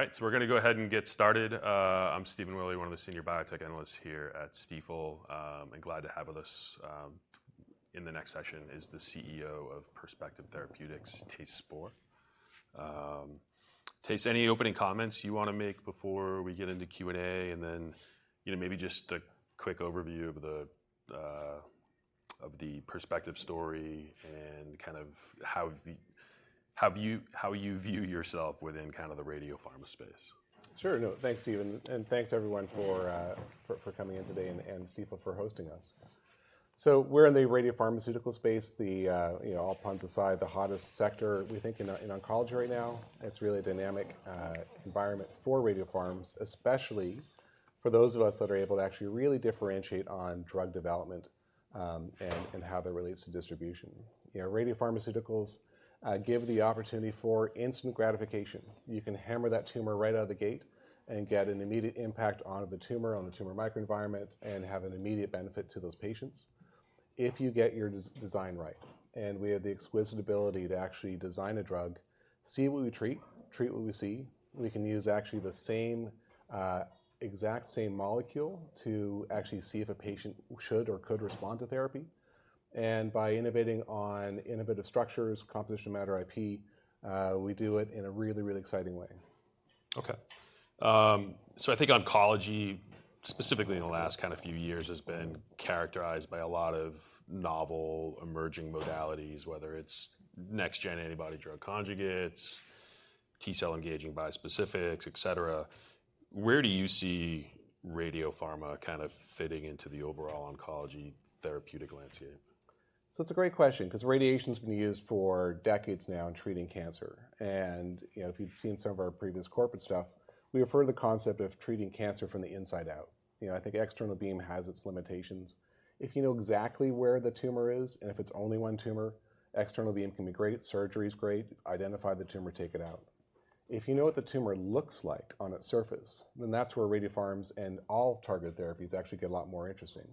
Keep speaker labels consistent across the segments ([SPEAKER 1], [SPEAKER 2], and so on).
[SPEAKER 1] All right, so we're going to go ahead and get started. I'm Stephen Willey, one of the Senior Biotech Analysts here at Stifel. I'm glad to have with us in the next session is the CEO of Perspective Therapeutics, Thijs Spoor. Thijs, any opening comments you want to make before we get into Q&A? And then maybe just a quick overview of the Perspective story and kind of how you view yourself within kind of the radiopharma space.
[SPEAKER 2] Sure. Thanks, Stephen, and thanks, everyone, for coming in today, and Stifel for hosting us. So we're in the radiopharmaceutical space, all puns aside, the hottest sector, we think, in oncology right now. It's really a dynamic environment for radiopharms, especially for those of us that are able to actually really differentiate on drug development and how that relates to distribution. Radiopharmaceuticals give the opportunity for instant gratification. You can hammer that tumor right out of the gate and get an immediate impact on the tumor, on the tumor microenvironment, and have an immediate benefit to those patients if you get your design right. And we have the exquisite ability to actually design a drug, see what we treat, treat what we see. We can use actually the exact same molecule to actually see if a patient should or could respond to therapy. By innovating on innovative structures, composition of matter IP, we do it in a really, really exciting way.
[SPEAKER 1] OK. So I think oncology, specifically in the last kind of few years, has been characterized by a lot of novel emerging modalities, whether it's next-gen antibody drug conjugates, T-cell engaging bispecifics, et cetera. Where do you see radiopharma kind of fitting into the overall oncology therapeutic landscape?
[SPEAKER 2] So it's a great question because radiation has been used for decades now in treating cancer. And if you've seen some of our previous corporate stuff, we refer to the concept of treating cancer from the inside out. I think external beam has its limitations. If you know exactly where the tumor is, and if it's only one tumor, external beam can be great, surgery is great, identify the tumor, take it out. If you know what the tumor looks like on its surface, then that's where radiopharms and all targeted therapies actually get a lot more interesting.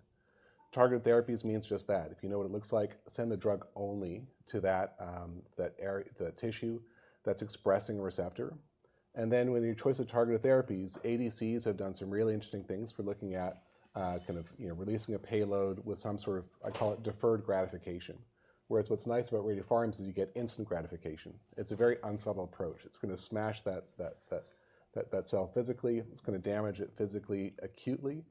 [SPEAKER 2] Targeted therapies means just that. If you know what it looks like, send the drug only to that tissue that's expressing a receptor. With your choice of targeted therapies, ADCs have done some really interesting things for looking at kind of releasing a payload with some sort of, I call it, deferred gratification. Whereas what's nice about radiopharms is you get instant gratification. It's a very unsubtle approach. It's going to smash that cell physically. It's going to damage it physically, acutely,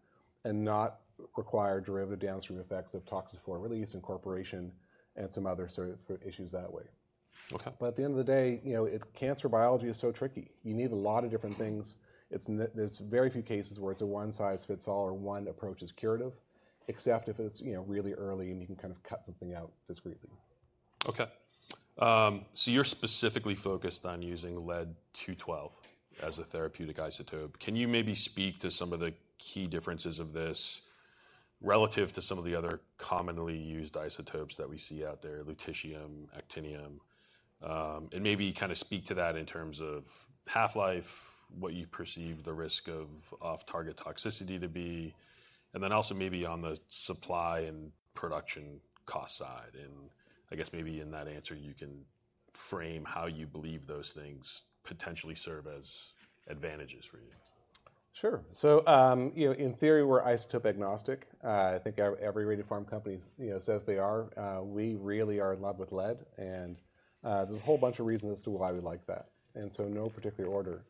[SPEAKER 2] and not require derivative downstream effects of toxin for release incorporation and some other sort of issues that way. But at the end of the day, cancer biology is so tricky. You need a lot of different things. There's very few cases where it's a one-size-fits-all or one approach is curative, except if it's really early and you can kind of cut something out discreetly.
[SPEAKER 1] OK. So you're specifically focused on using Lead-212 as a therapeutic isotope. Can you maybe speak to some of the key differences of this relative to some of the other commonly used isotopes that we see out there, Lutetium, Actinium? And maybe kind of speak to that in terms of half-life, what you perceive the risk of off-target toxicity to be, and then also maybe on the supply and production cost side. And I guess maybe in that answer, you can frame how you believe those things potentially serve as advantages for you.
[SPEAKER 2] Sure. So in theory, we're isotope agnostic. I think every radiopharm company says they are. We really are in love with Lead. And there's a whole bunch of reasons as to why we like that, and so no particular order.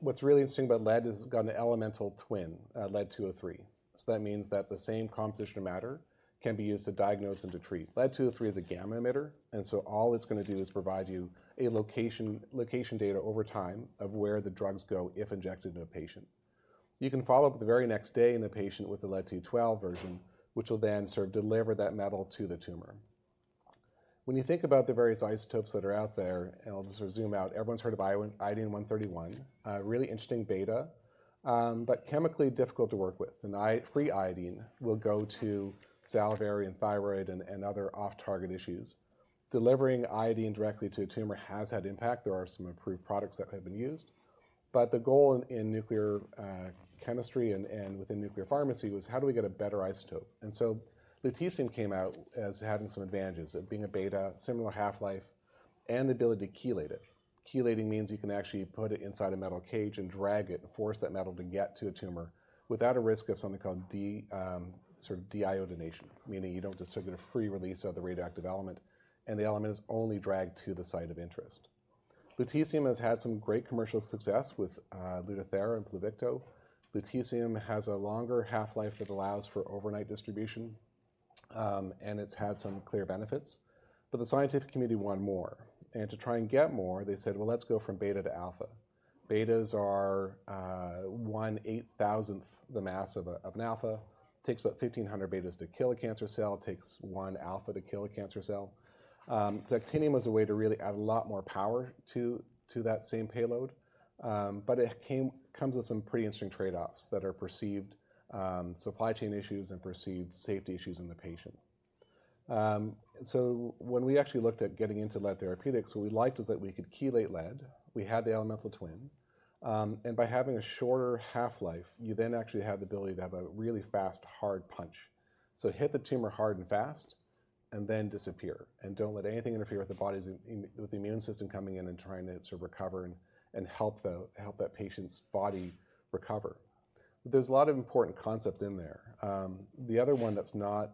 [SPEAKER 2] What's really interesting about Lead has got an elemental twin, Lead-203. So that means that the same composition of matter can be used to diagnose and to treat. Lead-203 is a gamma emitter. And so all it's going to do is provide you a location data over time of where the drugs go if injected into a patient. You can follow up the very next day in the patient with the Lead-212 version, which will then sort of deliver that metal to the tumor. When you think about the various isotopes that are out there, and I'll just zoom out, everyone's heard of Iodine-131, really interesting beta, but chemically difficult to work with. And free iodine will go to salivary and thyroid and other off-target issues. Delivering iodine directly to a tumor has had impact. There are some approved products that have been used. But the goal in nuclear chemistry and within nuclear pharmacy was how do we get a better isotope? And so lutetium came out as having some advantages of being a beta, similar half-life, and the ability to chelate it. Chelating means you can actually put it inside a metal cage and drag it and force that metal to get to a tumor without a risk of something called deiodination, meaning you don't just have a free release of the radioactive element, and the element is only dragged to the site of interest. Lutetium has had some great commercial success with Lutathera and Pluvicto. Lutetium has a longer half-life that allows for overnight distribution, and it's had some clear benefits. But the scientific community wanted more. And to try and get more, they said, well, let's go from beta to alpha. Betas are 1/8,000th the mass of an alpha. It takes about 1,500 betas to kill a cancer cell. It takes one alpha to kill a cancer cell. So Actinium was a way to really add a lot more power to that same payload. But it comes with some pretty interesting trade-offs that are perceived supply chain issues and perceived safety issues in the patient. So when we actually looked at getting into lead therapeutics, what we liked was that we could chelate lead. We had the elemental twin. And by having a shorter half-life, you then actually have the ability to have a really fast, hard punch. So hit the tumor hard and fast, and then disappear. And don't let anything interfere with the body's immune system coming in and trying to sort of recover and help that patient's body recover. There's a lot of important concepts in there. The other one that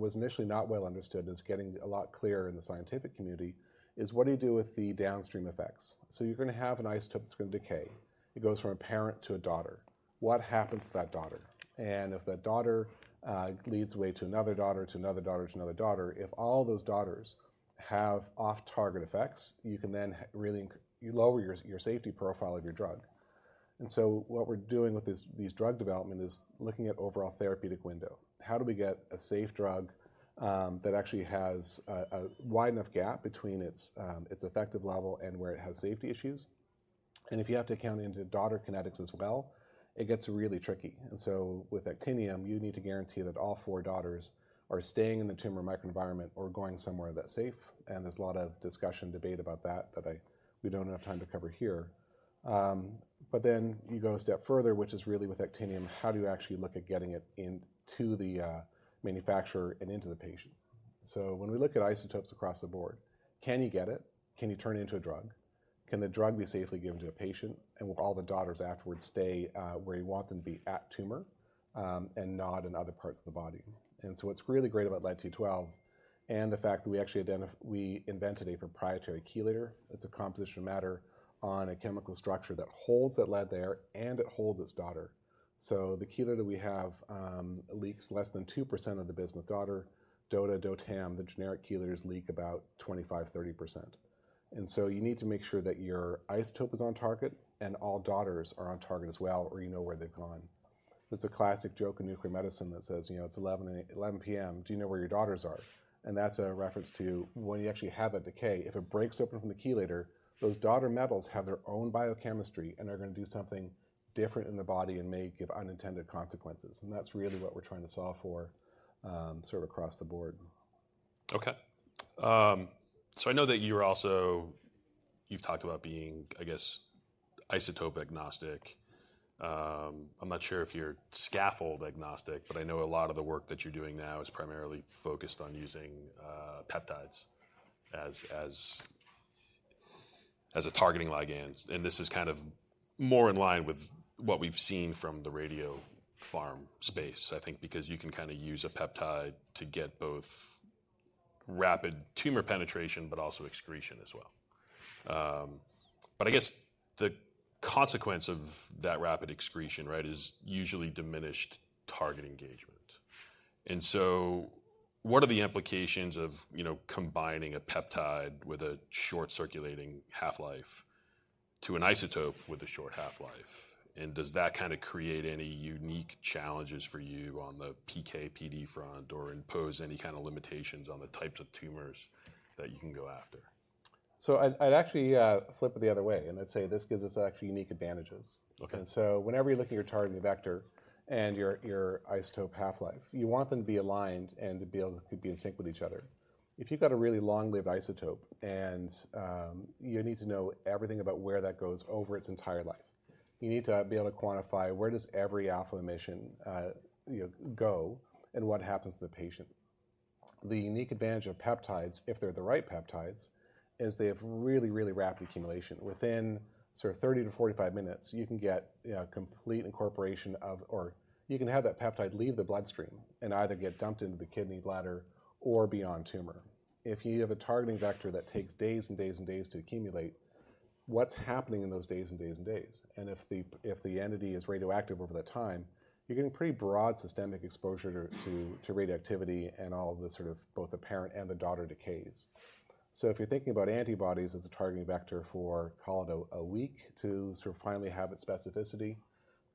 [SPEAKER 2] was initially not well understood and is getting a lot clearer in the scientific community is what do you do with the downstream effects? So you're going to have an isotope that's going to decay. It goes from a parent to a daughter. What happens to that daughter? If that daughter leads the way to another daughter, to another daughter, to another daughter, if all those daughters have off-target effects, you can then really lower your safety profile of your drug. What we're doing with this drug development is looking at overall therapeutic window. How do we get a safe drug that actually has a wide enough gap between its effective level and where it has safety issues? If you have to account into daughter kinetics as well, it gets really tricky. With actinium, you need to guarantee that all four daughters are staying in the tumor microenvironment or going somewhere that's safe. There's a lot of discussion and debate about that that we don't have time to cover here. But then you go a step further, which is really with actinium, how do you actually look at getting it into the manufacturer and into the patient? So when we look at isotopes across the board, can you get it? Can you turn it into a drug? Can the drug be safely given to a patient? And will all the daughters afterwards stay where you want them to be at tumor and not in other parts of the body? And so what's really great about lead-212 and the fact that we invented a proprietary chelator, it's a composition of matter on a chemical structure that holds that lead there and it holds its daughter. So the chelator we have leaks less than 2% of the bismuth daughter. DOTA, DOTAM, the generic chelators leak about 25%, 30%. You need to make sure that your isotope is on target and all daughters are on target as well, or you know where they've gone. There's a classic joke in nuclear medicine that says, you know, it's 11:00 P.M., do you know where your daughters are? And that's a reference to when you actually have that decay, if it breaks open from the chelator, those daughter metals have their own biochemistry and are going to do something different in the body and may give unintended consequences. And that's really what we're trying to solve for sort of across the board.
[SPEAKER 1] OK. I know that you've also talked about being, I guess, isotope agnostic. I'm not sure if you're scaffold agnostic, but I know a lot of the work that you're doing now is primarily focused on using peptides as a targeting ligand. And this is kind of more in line with what we've seen from the radiopharm space, I think, because you can kind of use a peptide to get both rapid tumor penetration, but also excretion as well. But I guess the consequence of that rapid excretion is usually diminished target engagement. And so what are the implications of combining a peptide with a short circulating half-life to an isotope with a short half-life? And does that kind of create any unique challenges for you on the PK/PD front or impose any kind of limitations on the types of tumors that you can go after?
[SPEAKER 2] So I'd actually flip it the other way. And I'd say this gives us actually unique advantages. And so whenever you're looking at your targeting vector and your isotope half-life, you want them to be aligned and to be able to be in sync with each other. If you've got a really long-lived isotope, you need to know everything about where that goes over its entire life. You need to be able to quantify where does every alpha emission go and what happens to the patient. The unique advantage of peptides, if they're the right peptides, is they have really, really rapid accumulation. Within sort of 30 to 45 minutes, you can get complete incorporation of or you can have that peptide leave the bloodstream and either get dumped into the kidney, bladder, or bind to tumor. If you have a targeting vector that takes days and days and days to accumulate, what's happening in those days and days and days? And if the entity is radioactive over the time, you're getting pretty broad systemic exposure to radioactivity and all of the sort of both the parent and the daughter decays. So if you're thinking about antibodies as a targeting vector for, call it a week to sort of finally have its specificity,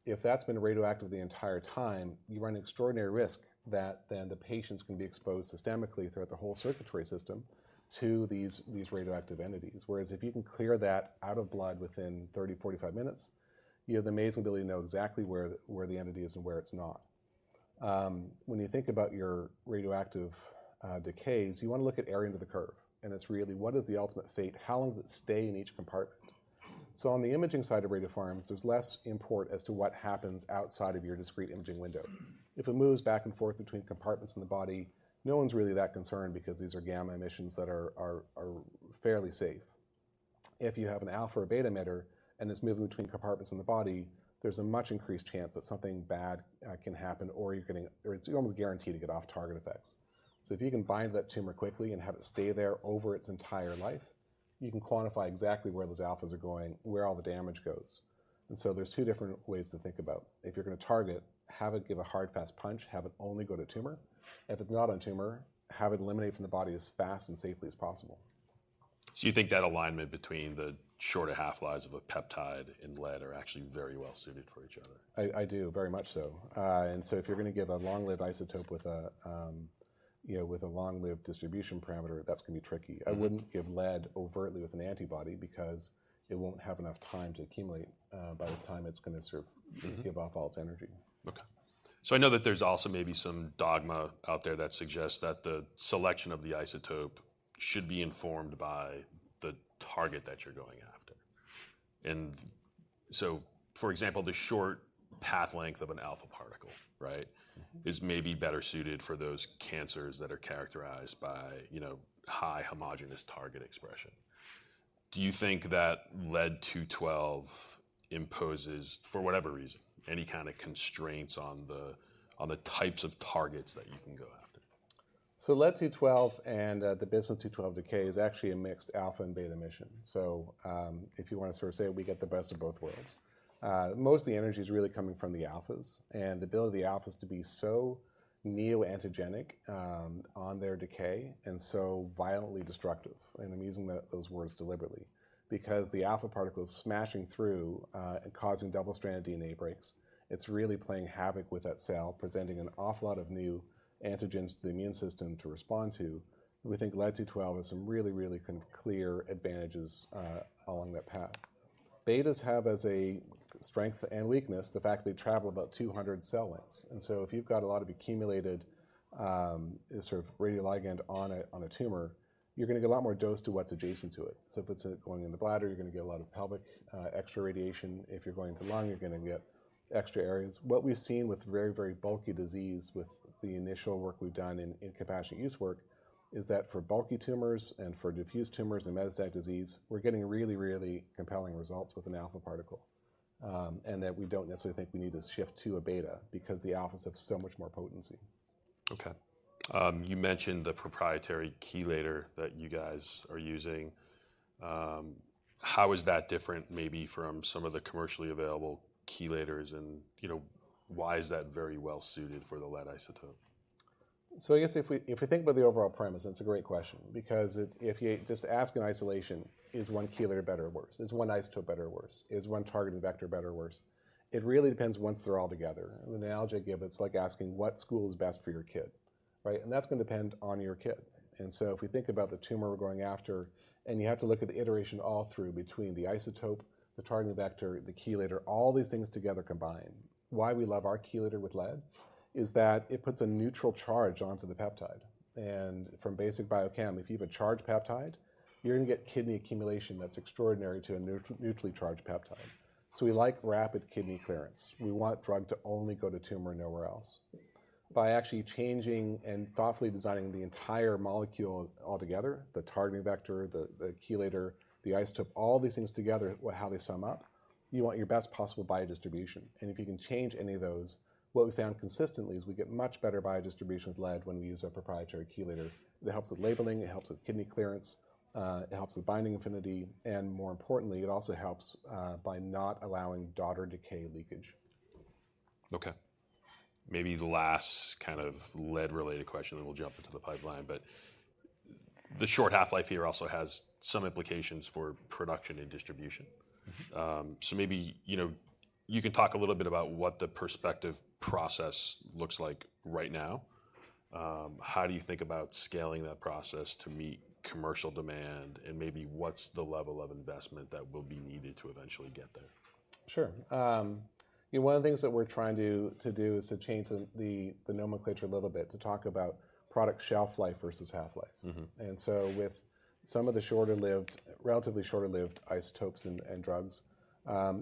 [SPEAKER 2] if that's been radioactive the entire time, you run an extraordinary risk that then the patients can be exposed systemically throughout the whole circulatory system to these radioactive entities. Whereas if you can clear that out of blood within 30-45 minutes, you have the amazing ability to know exactly where the entity is and where it's not. When you think about your radioactive decays, you want to look at area under the curve. And it's really, what is the ultimate fate? How long does it stay in each compartment? So on the imaging side of radiopharms, there's less import as to what happens outside of your discrete imaging window. If it moves back and forth between compartments in the body, no one's really that concerned because these are gamma emissions that are fairly safe. If you have an alpha or beta emitter and it's moving between compartments in the body, there's a much increased chance that something bad can happen, or you're almost guaranteed to get off-target effects. So if you can bind that tumor quickly and have it stay there over its entire life, you can quantify exactly where those alphas are going, where all the damage goes. And so there's two different ways to think about. If you're going to target, have it give a hard, fast punch, have it only go to tumor. If it's not on tumor, have it eliminate from the body as fast and safely as possible.
[SPEAKER 1] So you think that alignment between the shorter half-lives of a peptide and lead are actually very well suited for each other?
[SPEAKER 2] I do, very much so, and so if you're going to give a long-lived isotope with a long-lived distribution parameter, that's going to be tricky. I wouldn't give lead overtly with an antibody because it won't have enough time to accumulate by the time it's going to sort of give off all its energy.
[SPEAKER 1] OK. So I know that there's also maybe some dogma out there that suggests that the selection of the isotope should be informed by the target that you're going after. And so, for example, the short path length of an alpha particle is maybe better suited for those cancers that are characterized by high homogeneous target expression. Do you think that Lead-212 imposes, for whatever reason, any kind of constraints on the types of targets that you can go after?
[SPEAKER 2] Lead-212 and the Bismuth-212 decay is actually a mixed alpha and beta emission. So if you want to sort of say it, we get the best of both worlds. Most of the energy is really coming from the alphas. And the ability of the alphas to be so neoantigenic on their decay and so violently destructive, and I'm using those words deliberately, because the alpha particle is smashing through and causing double-stranded DNA breaks. It's really playing havoc with that cell, presenting an awful lot of new antigens to the immune system to respond to. We think Lead-212 has some really, really clear advantages along that path. Betas have as a strength and weakness the fact that they travel about 200 cell lengths. If you've got a lot of accumulated sort of radioligand on a tumor, you're going to get a lot more dose to what's adjacent to it. If it's going in the bladder, you're going to get a lot of pelvic extra radiation. If you're going to the lung, you're going to get extra areas. What we've seen with very, very bulky disease, with the initial work we've done in compassionate use work, is that for bulky tumors and for diffuse tumors and metastatic disease, we're getting really, really compelling results with an alpha particle. We don't necessarily think we need to shift to a beta because the alphas have so much more potency.
[SPEAKER 1] OK. You mentioned the proprietary chelator that you guys are using. How is that different maybe from some of the commercially available chelators, and why is that very well suited for the lead isotope?
[SPEAKER 2] So I guess if we think about the overall premise, and it's a great question, because if you just ask in isolation, is one chelator better or worse? Is one isotope better or worse? Is one targeting vector better or worse? It really depends once they're all together. The analogy I give, it's like asking what school is best for your kid. And that's going to depend on your kid. And so if we think about the tumor we're going after, and you have to look at the iteration all through between the isotope, the targeting vector, the chelator, all these things together combined. Why we love our chelator with lead is that it puts a neutral charge onto the peptide. And from basic biochem, if you have a charged peptide, you're going to get kidney accumulation that's extraordinary to a neutrally charged peptide. So we like rapid kidney clearance. We want drug to only go to tumor and nowhere else. By actually changing and thoughtfully designing the entire molecule altogether, the targeting vector, the chelator, the isotope, all these things together, how they sum up, you want your best possible biodistribution. And if you can change any of those, what we found consistently is we get much better biodistribution with lead when we use our proprietary chelator. It helps with labeling. It helps with kidney clearance. It helps with binding affinity. And more importantly, it also helps by not allowing daughter decay leakage.
[SPEAKER 1] OK. Maybe the last kind of lead-related question, and then we'll jump into the pipeline. But the short half-life here also has some implications for production and distribution. So maybe you can talk a little bit about what the Perspective's process looks like right now. How do you think about scaling that process to meet commercial demand? And maybe what's the level of investment that will be needed to eventually get there?
[SPEAKER 2] Sure. One of the things that we're trying to do is to change the nomenclature a little bit to talk about product shelf life versus half-life, and so with some of the relatively shorter-lived isotopes and drugs,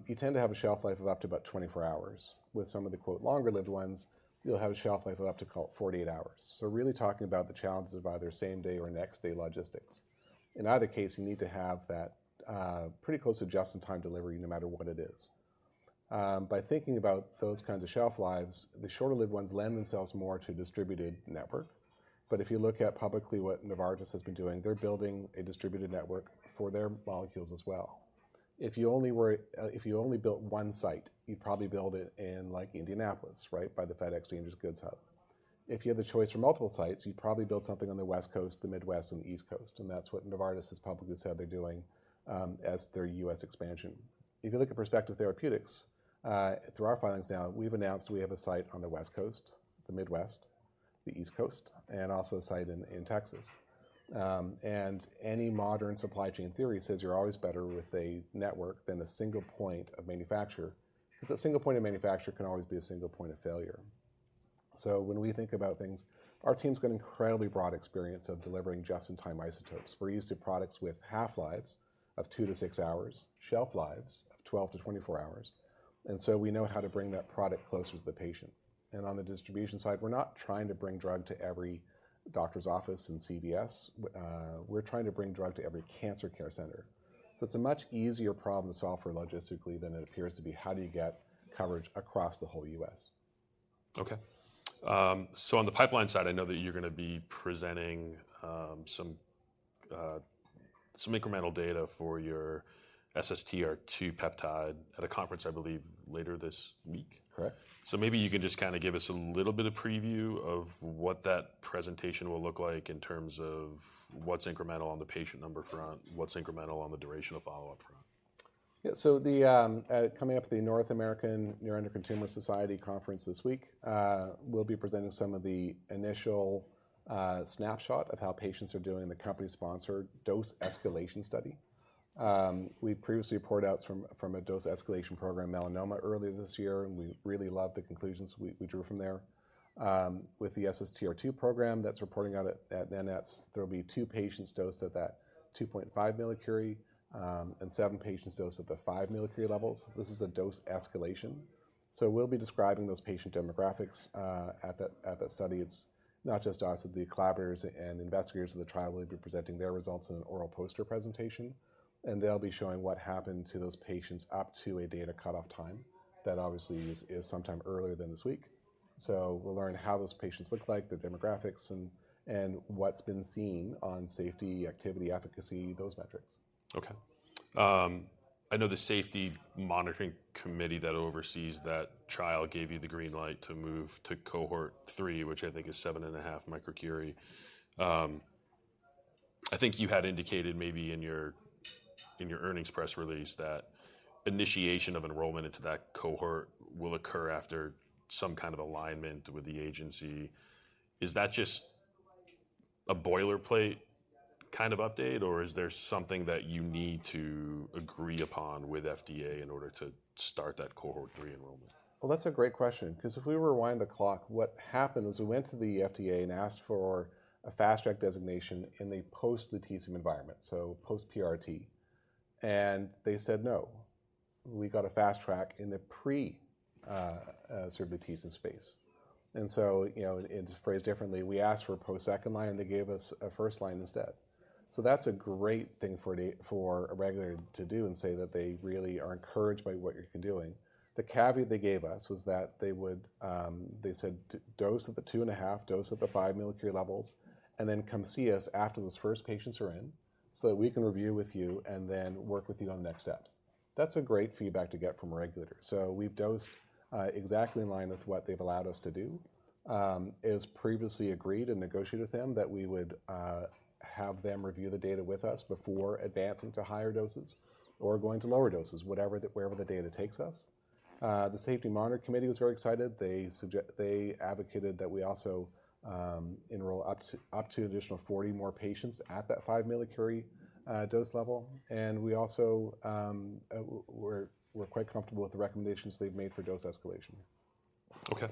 [SPEAKER 2] you tend to have a shelf life of up to about 24 hours. With some of the "longer-lived" ones, you'll have a shelf life of up to 48 hours, so really talking about the challenges of either same-day or next-day logistics. In either case, you need to have that pretty close to just-in-time delivery no matter what it is. By thinking about those kinds of shelf lives, the shorter-lived ones lend themselves more to a distributed network, but if you look at publicly what Novartis has been doing, they're building a distributed network for their molecules as well. If you only built one site, you'd probably build it in Indianapolis by the FedEx Dangerous Goods hub. If you had the choice for multiple sites, you'd probably build something on the West Coast, the Midwest, and the East Coast. And that's what Novartis has publicly said they're doing as their US expansion. If you look at Perspective Therapeutics, through our filings now, we've announced we have a site on the West Coast, the Midwest, the East Coast, and also a site in Texas. And any modern supply chain theory says you're always better with a network than a single point of manufacture. Because a single point of manufacture can always be a single point of failure. So when we think about things, our team's got an incredibly broad experience of delivering just-in-time isotopes. We're used to products with half-lives of two to six hours, shelf lives of 12 to 24 hours. And so we know how to bring that product closer to the patient. And on the distribution side, we're not trying to bring drug to every doctor's office and CVS. We're trying to bring drug to every cancer care center. So it's a much easier problem to solve for logistically than it appears to be. How do you get coverage across the whole U.S.?
[SPEAKER 1] OK. So on the pipeline side, I know that you're going to be presenting some incremental data for your SSTR2 peptide at a conference, I believe, later this week.
[SPEAKER 2] Correct.
[SPEAKER 1] So maybe you can just kind of give us a little bit of preview of what that presentation will look like in terms of what's incremental on the patient number front, what's incremental on the duration of follow-up front.
[SPEAKER 2] Yeah. So coming up at the North American Neuroendocrine Tumor Society conference this week, we'll be presenting some of the initial snapshot of how patients are doing in the company-sponsored dose escalation study. We previously reported out from a dose escalation program, Melanoma, earlier this year. And we really loved the conclusions we drew from there. With the SSTR2 program that's reporting out at NANETS, there'll be two patients dosed at that 2.5 millicurie and seven patients dosed at the five millicurie levels. This is a dose escalation. So we'll be describing those patient demographics at that study. It's not just us, but the collaborators and investigators of the trial will be presenting their results in an oral poster presentation. And they'll be showing what happened to those patients up to a data cutoff time that obviously is sometime earlier than this week. So we'll learn how those patients look like, their demographics, and what's been seen on safety, activity, efficacy, those metrics.
[SPEAKER 1] OK. I know the safety monitoring committee that oversees that trial gave you the green light to move to cohort three, which I think is 7.5 millicurie. I think you had indicated maybe in your earnings press release that initiation of enrollment into that cohort will occur after some kind of alignment with the agency. Is that just a boilerplate kind of update? Or is there something that you need to agree upon with FDA in order to start that cohort three enrollment?
[SPEAKER 2] That's a great question. Because if we rewind the clock, what happened is we went to the FDA and asked for a fast-track designation in the post-Lutetium environment, so post-PRT. And they said no. We got a fast track in the pre-Lutetium space. And so to phrase differently, we asked for a post-second line, and they gave us a first-line instead. So that's a great thing for a regulator to do and say that they really are encouraged by what you've been doing. The caveat they gave us was that they said dose at the two and one-half, dose at the five millicurie levels, and then come see us after those first patients are in so that we can review with you and then work with you on the next steps. That's a great feedback to get from a regulator. We've dosed exactly in line with what they've allowed us to do. It was previously agreed and negotiated with them that we would have them review the data with us before advancing to higher doses or going to lower doses, wherever the data takes us. The safety monitoring committee was very excited. They advocated that we also enroll up to an additional 40 more patients at that 5 millicurie dose level. We're quite comfortable with the recommendations they've made for dose escalation.
[SPEAKER 1] OK.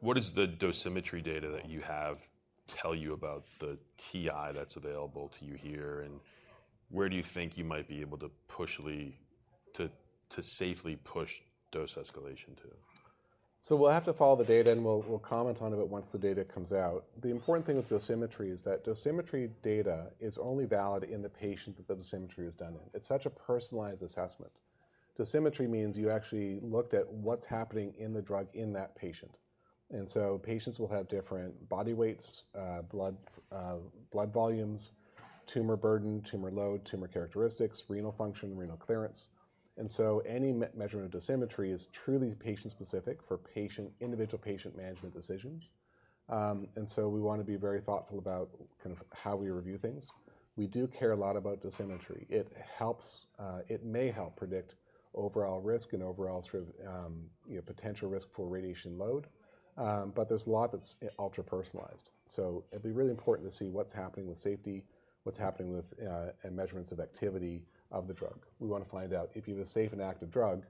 [SPEAKER 1] What does the dosimetry data that you have tell you about the TI that's available to you here, and where do you think you might be able to safely push dose escalation to?
[SPEAKER 2] So we'll have to follow the data, and we'll comment on it once the data comes out. The important thing with dosimetry is that dosimetry data is only valid in the patient that the dosimetry was done in. It's such a personalized assessment. Dosimetry means you actually looked at what's happening in the drug in that patient. And so patients will have different body weights, blood volumes, tumor burden, tumor load, tumor characteristics, renal function, renal clearance. And so any measurement of dosimetry is truly patient-specific for individual patient management decisions. And so we want to be very thoughtful about kind of how we review things. We do care a lot about dosimetry. It may help predict overall risk and overall potential risk for radiation load. But there's a lot that's ultra-personalized. So it'll be really important to see what's happening with safety, what's happening with measurements of activity of the drug. We want to find out if you have a safe and active drug,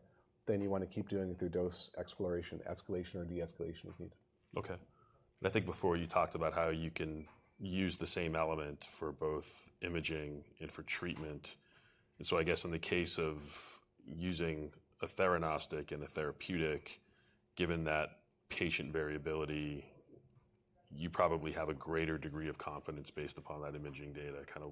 [SPEAKER 2] then you want to keep doing it through dose exploration, escalation, or de-escalation as needed.
[SPEAKER 1] OK. And I think before you talked about how you can use the same element for both imaging and for treatment. And so I guess in the case of using a theranostic and a therapeutic, given that patient variability, you probably have a greater degree of confidence based upon that imaging data kind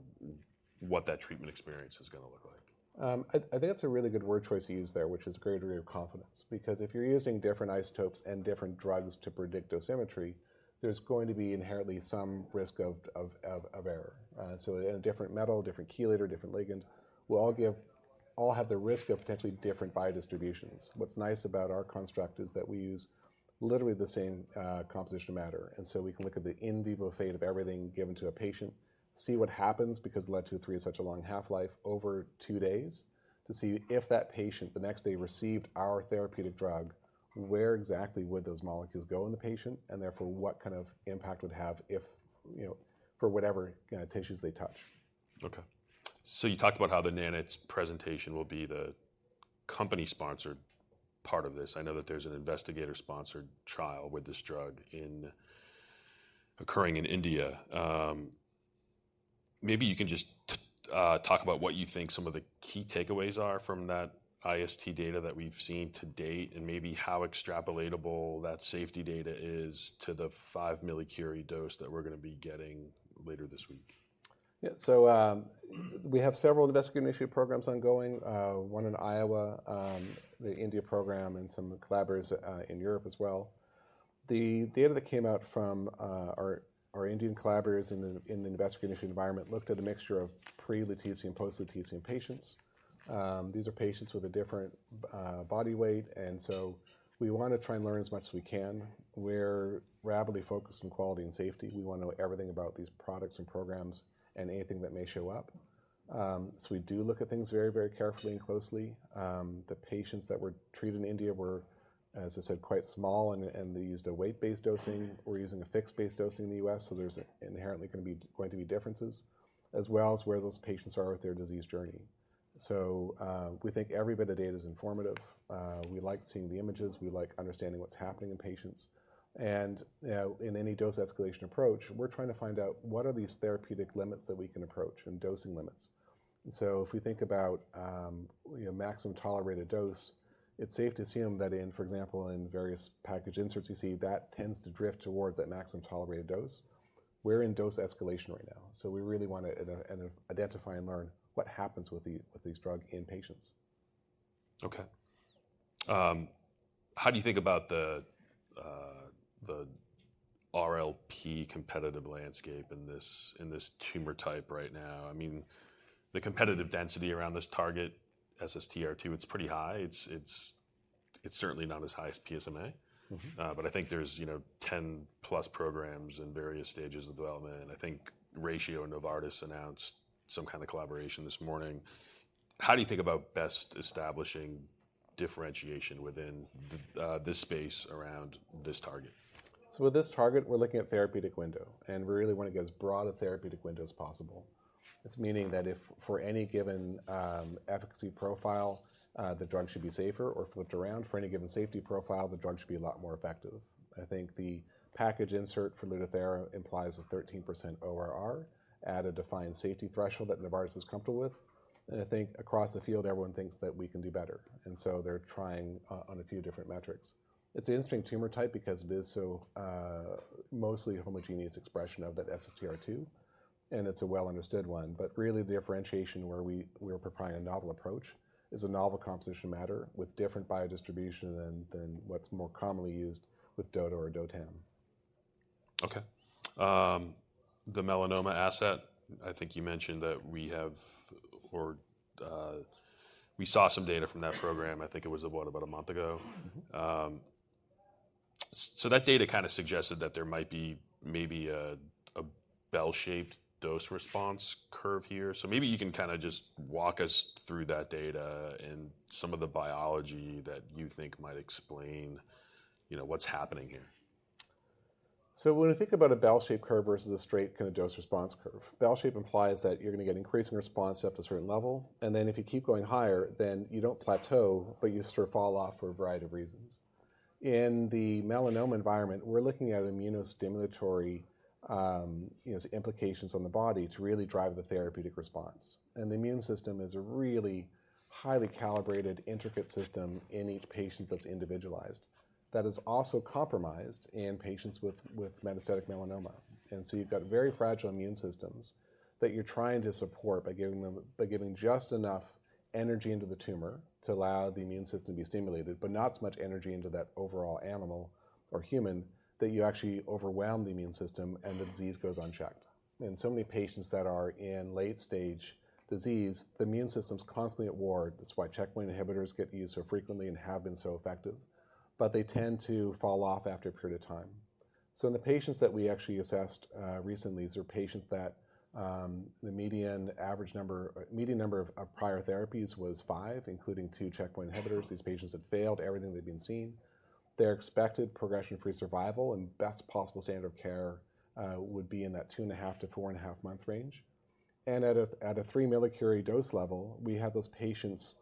[SPEAKER 1] of what that treatment experience is going to look like.
[SPEAKER 2] I think that's a really good word choice you used there, which is greater degree of confidence. Because if you're using different isotopes and different drugs to predict dosimetry, there's going to be inherently some risk of error. So a different metal, a different chelator, a different ligand will all have the risk of potentially different biodistributions. What's nice about our construct is that we use literally the same composition of matter, and so we can look at the in vivo fate of everything given to a patient, see what happens because Lead-203 has such a long half-life over two days to see if that patient the next day received our therapeutic drug, where exactly would those molecules go in the patient, and therefore what kind of impact would have for whatever tissues they touch.
[SPEAKER 1] OK. So you talked about how the NANETS presentation will be the company-sponsored part of this. I know that there's an investigator-initiated trial with this drug occurring in India. Maybe you can just talk about what you think some of the key takeaways are from that IST data that we've seen to date and maybe how extrapolatable that safety data is to the five millicurie dose that we're going to be getting later this week.
[SPEAKER 2] Yeah. So we have several investigator-initiated programs ongoing, one in Iowa, the India program, and some collaborators in Europe as well. The data that came out from our Indian collaborators in the investigator-initiated environment looked at a mixture of pre-Lutetium and post-Lutetium patients. These are patients with a different body weight. And so we want to try and learn as much as we can. We're really focused on quality and safety. We want to know everything about these products and programs and anything that may show up. So we do look at things very, very carefully and closely. The patients that were treated in India were, as I said, quite small, and they used a weight-based dosing. We're using a fixed-dose dosing in the U.S.. So there's inherently going to be differences as well as where those patients are with their disease journey. So we think every bit of data is informative. We like seeing the images. We like understanding what's happening in patients. And in any dose escalation approach, we're trying to find out what are these therapeutic limits that we can approach and dosing limits. And so if we think about maximum tolerated dose, it's safe to assume that, for example, in various package inserts, you see that tends to drift towards that maximum tolerated dose. We're in dose escalation right now. So we really want to identify and learn what happens with these drugs in patients.
[SPEAKER 1] OK. How do you think about the RLT competitive landscape in this tumor type right now? I mean, the competitive density around this target SSTR2, it's pretty high. It's certainly not as high as PSMA. But I think there's 10-plus programs in various stages of development. I think Ratio and Novartis announced some kind of collaboration this morning. How do you think about best establishing differentiation within this space around this target?
[SPEAKER 2] So with this target, we're looking at therapeutic window. And we really want to get as broad a therapeutic window as possible. This meaning that if for any given efficacy profile, the drug should be safer or flipped around, for any given safety profile, the drug should be a lot more effective. I think the package insert for Lutathera implies a 13% ORR at a defined safety threshold that Novartis is comfortable with. And I think across the field, everyone thinks that we can do better. And so they're trying on a few different metrics. It's an interesting tumor type because it is mostly a homogeneous expression of that SSTR2. And it's a well-understood one. But really, the differentiation where we're applying a novel approach is a novel composition of matter with different biodistribution than what's more commonly used with DOTA or DOTAM.
[SPEAKER 1] OK. The Melanoma asset, I think you mentioned that we saw some data from that program. I think it was about a month ago. So that data kind of suggested that there might be maybe a bell-shaped dose response curve here. So maybe you can kind of just walk us through that data and some of the biology that you think might explain what's happening here.
[SPEAKER 2] When we think about a bell-shaped curve versus a straight kind of dose response curve, bell-shaped implies that you're going to get increasing response up to a certain level. Then if you keep going higher, then you don't plateau, but you sort of fall off for a variety of reasons. In the melanoma environment, we're looking at immunostimulatory implications on the body to really drive the therapeutic response. The immune system is a really highly calibrated, intricate system in each patient that's individualized that is also compromised in patients with metastatic melanoma. You've got very fragile immune systems that you're trying to support by giving just enough energy into the tumor to allow the immune system to be stimulated, but not so much energy into that overall animal or human that you actually overwhelm the immune system and the disease goes unchecked. In so many patients that are in late-stage disease, the immune system's constantly at war. That's why checkpoint inhibitors get used so frequently and have been so effective. But they tend to fall off after a period of time. So in the patients that we actually assessed recently, these are patients that the median average number of prior therapies was five, including two checkpoint inhibitors. These patients had failed everything they'd been seeing. Their expected progression-free survival and best possible standard of care would be in that 2 and 1/2 to 4 and 1/2 month range. And at a 3 millicurie dose level, we had those patients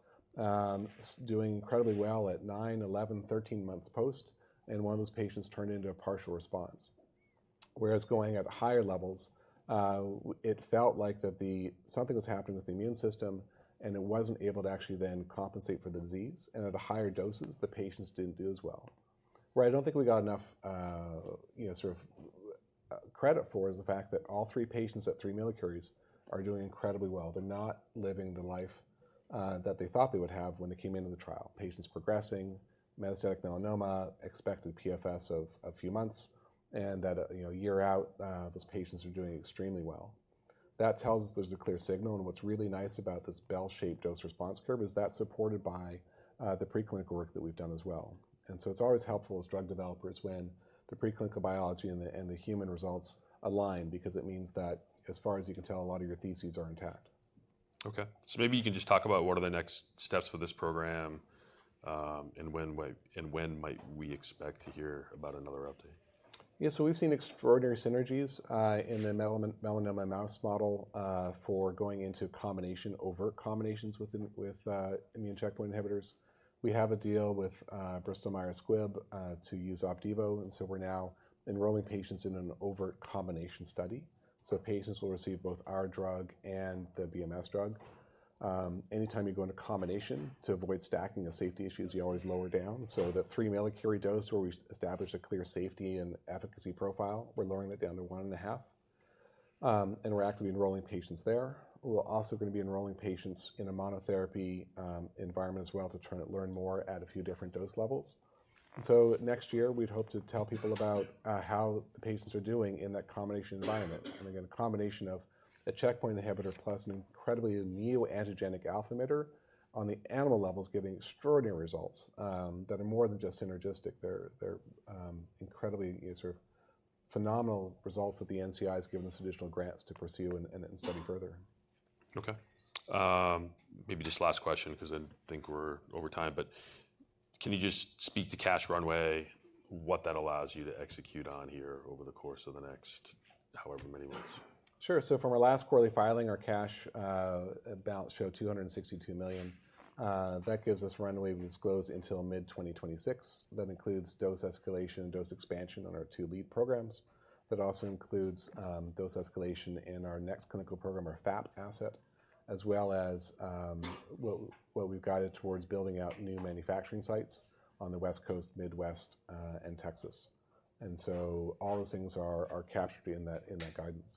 [SPEAKER 2] doing incredibly well at 9, 11, 13 months post. And one of those patients turned into a partial response. Whereas going at higher levels, it felt like something was happening with the immune system, and it wasn't able to actually then compensate for the disease. And at higher doses, the patients didn't do as well. Where I don't think we got enough sort of credit for is the fact that all three patients at three millicuries are doing incredibly well. They're not living the life that they thought they would have when they came into the trial. Patients progressing, metastatic melanoma, expected PFS of a few months. And that a year out, those patients are doing extremely well. That tells us there's a clear signal. And what's really nice about this bell-shaped dose response curve is that supported by the preclinical work that we've done as well. It's always helpful as drug developers when the preclinical biology and the human results align because it means that as far as you can tell, a lot of your theses are intact.
[SPEAKER 1] OK. So maybe you can just talk about what are the next steps for this program and when might we expect to hear about another update?
[SPEAKER 2] Yeah. So we've seen extraordinary synergies in the melanoma mouse model for going into overt combinations with immune checkpoint inhibitors. We have a deal with Bristol Myers Squibb to use Opdivo to avoid stacking of safety issues, you always lower down, so that three millicurie dose where we established a clear safety and efficacy profile, we're lowering that down to 1 and 1/2, and we're actively enrolling patients there. We're also going to be enrolling patients in a monotherapy environment as well to learn more at a few different dose levels, and so next year, we'd hope to tell people about how the patients are doing in that combination environment. Again, a combination of a checkpoint inhibitor plus an incredibly neoantigenic alpha emitter on the animal level is giving extraordinary results that are more than just synergistic. They're incredibly sort of phenomenal results that the NCI has given us additional grants to pursue and study further.
[SPEAKER 1] OK. Maybe just last question because I think we're over time. But can you just speak to cash runway, what that allows you to execute on here over the course of the next however many months?
[SPEAKER 2] Sure. So from our last quarterly filing, our cash balance showed $262 million. That gives us runway disclosed until mid-2026. That includes dose escalation and dose expansion on our two lead programs. That also includes dose escalation in our next clinical program, our FAP asset, as well as what we've guided towards building out new manufacturing sites on the West Coast, Midwest, and Texas. And so all those things are captured in that guidance.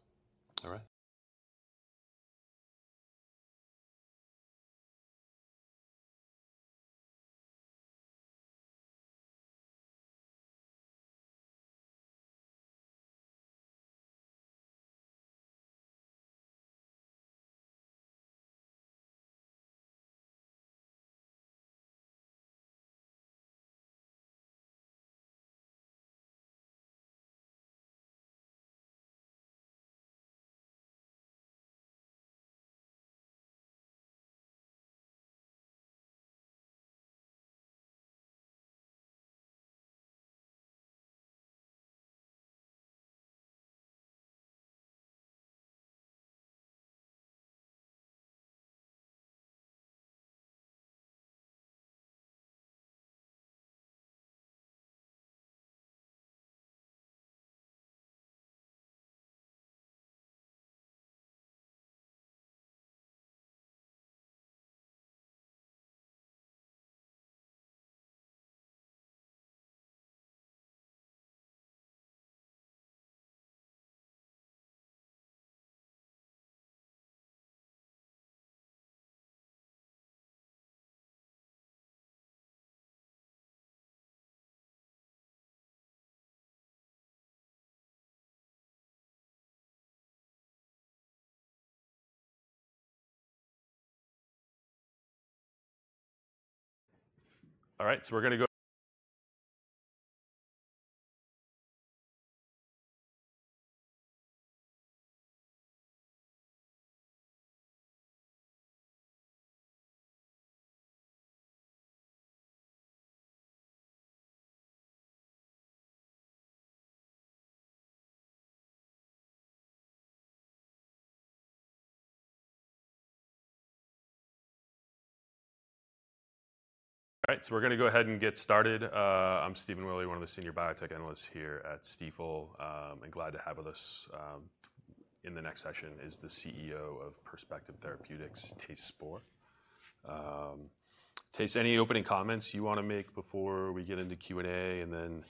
[SPEAKER 1] All right. So we're going to go ahead and get started. I'm Stephen Willey, one of the senior biotech analysts here at Stifel. I'm glad to have with us in the next session is the CEO of Perspective Therapeutics, Thijs Spoor. Thijs, any opening comments you want to make before we get into Q&A? And then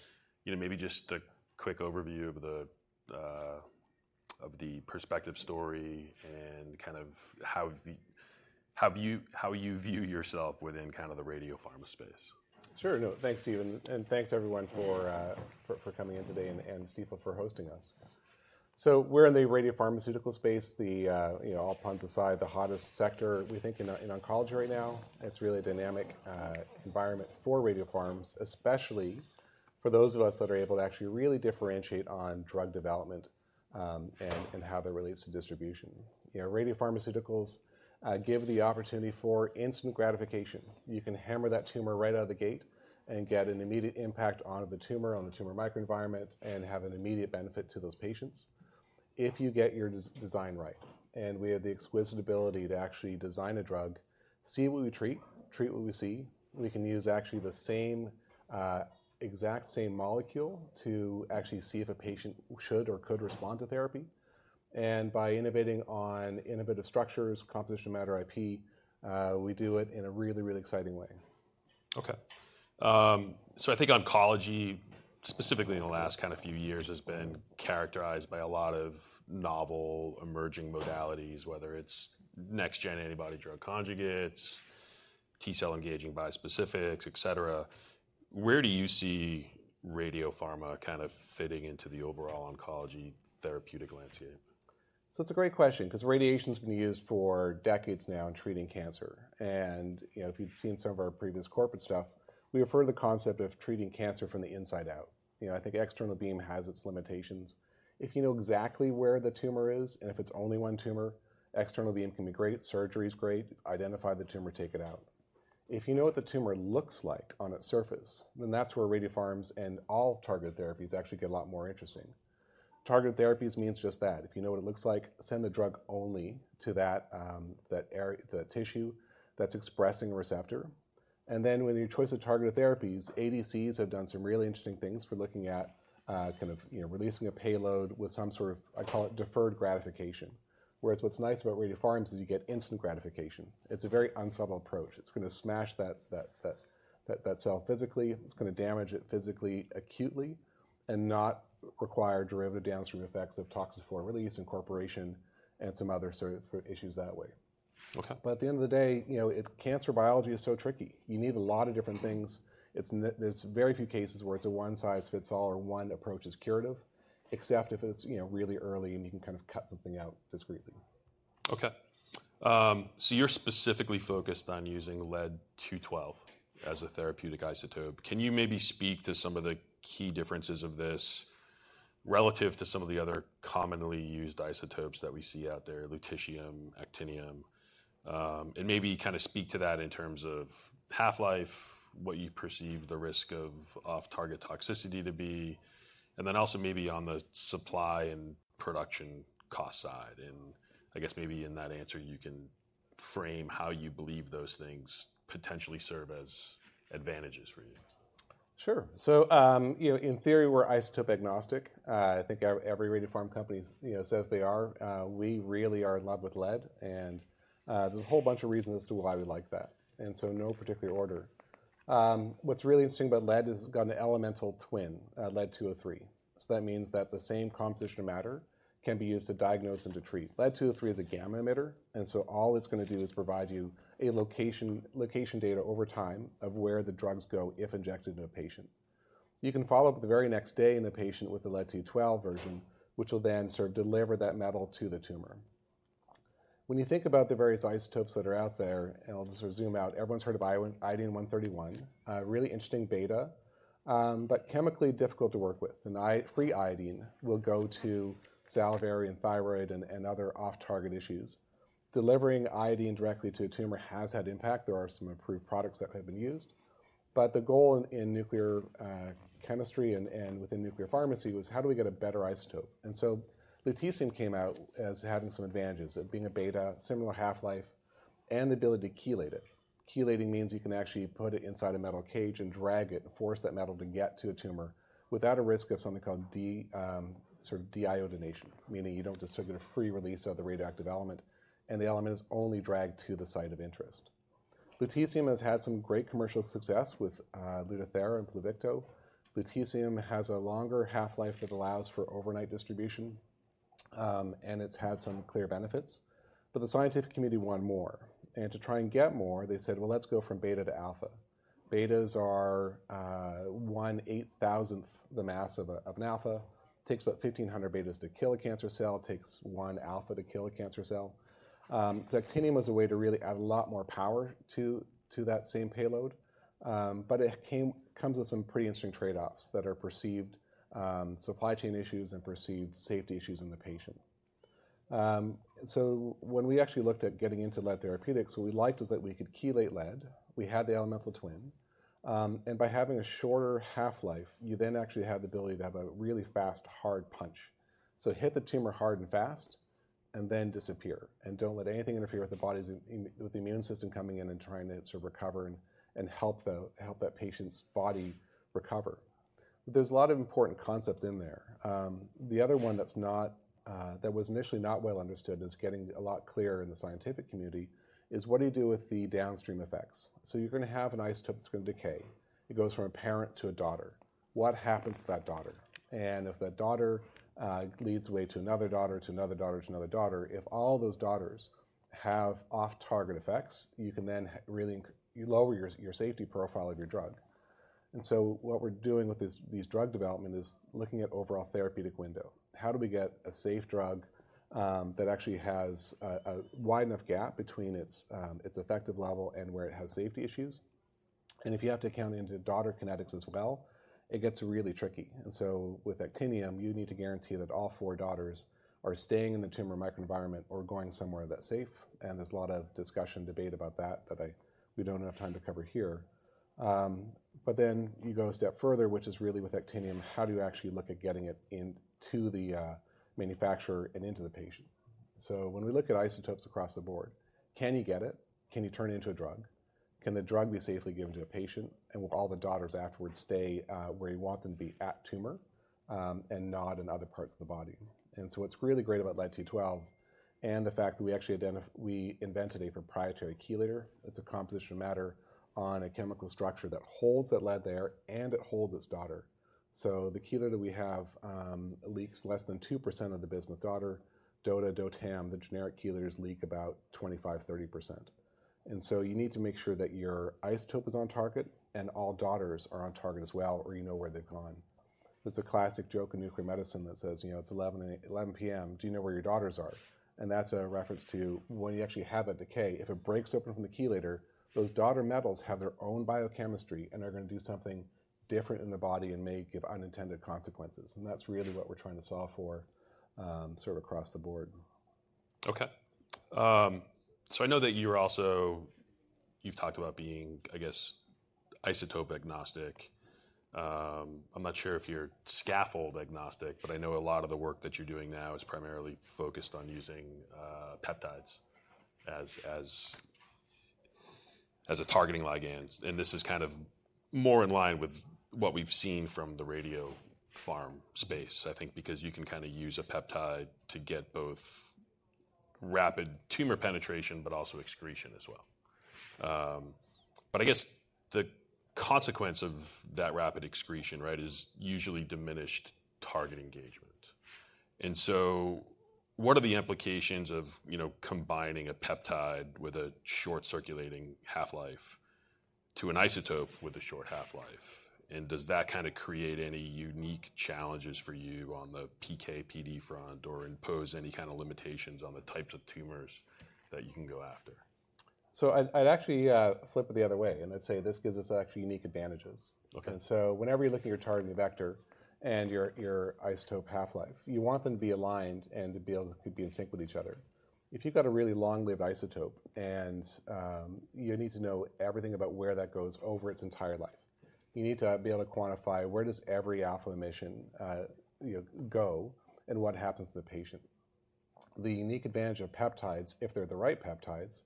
[SPEAKER 1] maybe just a quick overview of the Perspective story and kind of how you view yourself within kind of the radiopharma space.
[SPEAKER 2] Sure. Thanks, Stephen. And thanks, everyone, for coming in today and Stifel for hosting us. So we're in the radiopharmaceutical space, all puns aside, the hottest sector, we think, in oncology right now. It's really a dynamic environment for radiopharms, especially for those of us that are able to actually really differentiate on drug development and how that relates to distribution. Radiopharmaceuticals give the opportunity for instant gratification. You can hammer that tumor right out of the gate and get an immediate impact on the tumor, on the tumor microenvironment, and have an immediate benefit to those patients if you get your design right. And we have the exquisite ability to actually design a drug, see what we treat, treat what we see. We can use actually the exact same molecule to actually see if a patient should or could respond to therapy. By innovating on innovative structures, composition of matter, IP, we do it in a really, really exciting way.
[SPEAKER 1] OK. So I think oncology, specifically in the last kind of few years, has been characterized by a lot of novel emerging modalities, whether it's next-gen antibody drug conjugates, T-cell engaging bispecifics, et cetera. Where do you see radiopharma kind of fitting into the overall oncology therapeutic landscape?
[SPEAKER 2] So it's a great question because radiation has been used for decades now in treating cancer. And if you've seen some of our previous corporate stuff, we refer to the concept of treating cancer from the inside out. I think external beam has its limitations. If you know exactly where the tumor is and if it's only one tumor, external beam can be great. Surgery is great. Identify the tumor, take it out. If you know what the tumor looks like on its surface, then that's where radiopharms and all targeted therapies actually get a lot more interesting. Targeted therapies means just that. If you know what it looks like, send the drug only to that tissue that's expressing a receptor. And then with your choice of targeted therapies, ADCs have done some really interesting things for looking at kind of releasing a payload with some sort of, I call it, deferred gratification. Whereas what's nice about radiopharms is you get instant gratification. It's a very unsubtle approach. It's going to smash that cell physically. It's going to damage it physically, acutely, and not require derivative downstream effects of toxin for release incorporation and some other sort of issues that way. But at the end of the day, cancer biology is so tricky. You need a lot of different things. There's very few cases where it's a one-size-fits-all or one approach is curative, except if it's really early and you can kind of cut something out discreetly.
[SPEAKER 1] OK. So you're specifically focused on using Lead-212 as a therapeutic isotope. Can you maybe speak to some of the key differences of this relative to some of the other commonly used isotopes that we see out there, Lutetium, Actinium? And maybe kind of speak to that in terms of half-life, what you perceive the risk of off-target toxicity to be, and then also maybe on the supply and production cost side. And I guess maybe in that answer, you can frame how you believe those things potentially serve as advantages for you.
[SPEAKER 2] Sure. So in theory, we're isotope agnostic. I think every radiopharm company says they are. We really are in love with lead, and there's a whole bunch of reasons as to why we like that, and so no particular order. What's really interesting about lead has got an elemental twin, Lead-203. So that means that the same composition of matter can be used to diagnose and to treat. Lead-203 is a gamma emitter, and so all it's going to do is provide you a location data over time of where the drugs go if injected into a patient. You can follow up the very next day in the patient with the Lead-212 version, which will then sort of deliver that metal to the tumor. When you think about the various isotopes that are out there, and I'll just zoom out, everyone's heard of iodine-131, really interesting beta, but chemically difficult to work with, and free iodine will go to salivary and thyroid and other off-target issues. Delivering iodine directly to a tumor has had impact. There are some approved products that have been used, but the goal in nuclear chemistry and within nuclear pharmacy was how do we get a better isotope, and so lutetium came out as having some advantages of being a beta, similar half-life, and the ability to chelate it. Chelating means you can actually put it inside a metal cage and drag it and force that metal to get to a tumor without a risk of something called deiodination, meaning you don't just get a free release of the radioactive element, and the element is only dragged to the site of interest. Lutetium has had some great commercial success with Lutathera and Pluvicto. Lutetium has a longer half-life that allows for overnight distribution. And it's had some clear benefits. But the scientific community wanted more. And to try and get more, they said, well, let's go from beta to alpha. Betas are 1/8,000th the mass of an alpha. It takes about 1,500 betas to kill a cancer cell. It takes one alpha to kill a cancer cell. So Actinium was a way to really add a lot more power to that same payload. But it comes with some pretty interesting trade-offs that are perceived supply chain issues and perceived safety issues in the patient. So when we actually looked at getting into lead therapeutics, what we liked was that we could chelate lead. We had the elemental twin. And by having a shorter half-life, you then actually have the ability to have a really fast, hard punch. So hit the tumor hard and fast and then disappear. And don't let anything interfere with the body's immune system coming in and trying to sort of recover and help that patient's body recover. There's a lot of important concepts in there. The other one that was initially not well understood and is getting a lot clearer in the scientific community is what do you do with the downstream effects? So you're going to have an isotope that's going to decay. It goes from a parent to a daughter. What happens to that daughter? And if that daughter leads the way to another daughter, to another daughter, to another daughter, if all those daughters have off-target effects, you can then really lower your safety profile of your drug. And so what we're doing with this drug development is looking at overall therapeutic window. How do we get a safe drug that actually has a wide enough gap between its effective level and where it has safety issues? And if you have to account into daughter kinetics as well, it gets really tricky. And so with actinium, you need to guarantee that all four daughters are staying in the tumor microenvironment or going somewhere that's safe. And there's a lot of discussion and debate about that that we don't have time to cover here. But then you go a step further, which is really with Actinium, how do you actually look at getting it into the manufacturer and into the patient? So when we look at isotopes across the board, can you get it? Can you turn it into a drug? Can the drug be safely given to a patient? And will all the daughters afterwards stay where you want them to be at tumor and not in other parts of the body? And so what's really great about Lead-212 and the fact that we invented a proprietary chelator, it's a composition of matter on a chemical structure that holds that Lead there and it holds its daughter. So the chelator we have leaks less than 2% of the Bismuth daughter. DOTA, DOTAM, the generic chelators leak about 25%, 30%. And so you need to make sure that your isotope is on target and all daughters are on target as well, or you know where they've gone. There's a classic joke in nuclear medicine that says, you know, it's 11:00 P.M., do you know where your daughters are? And that's a reference to when you actually have a decay, if it breaks open from the chelator, those daughter metals have their own biochemistry and are going to do something different in the body and may give unintended consequences. And that's really what we're trying to solve for sort of across the board.
[SPEAKER 1] OK. So I know that you've talked about being, I guess, isotope agnostic. I'm not sure if you're scaffold agnostic, but I know a lot of the work that you're doing now is primarily focused on using peptides as a targeting ligand. And this is kind of more in line with what we've seen from the radiopharm space, I think, because you can kind of use a peptide to get both rapid tumor penetration, but also excretion as well. But I guess the consequence of that rapid excretion is usually diminished target engagement. And so what are the implications of combining a peptide with a short circulating half-life to an isotope with a short half-life? And does that kind of create any unique challenges for you on the PK/PD front or impose any kind of limitations on the types of tumors that you can go after?
[SPEAKER 2] So I'd actually flip it the other way. And I'd say this gives us actually unique advantages. And so whenever you're looking at your targeting vector and your isotope half-life, you want them to be aligned and to be able to be in sync with each other. If you've got a really long-lived isotope, you need to know everything about where that goes over its entire life. You need to be able to quantify where does every alpha emission go and what happens to the patient. The unique advantage of peptides, if they're the right peptides,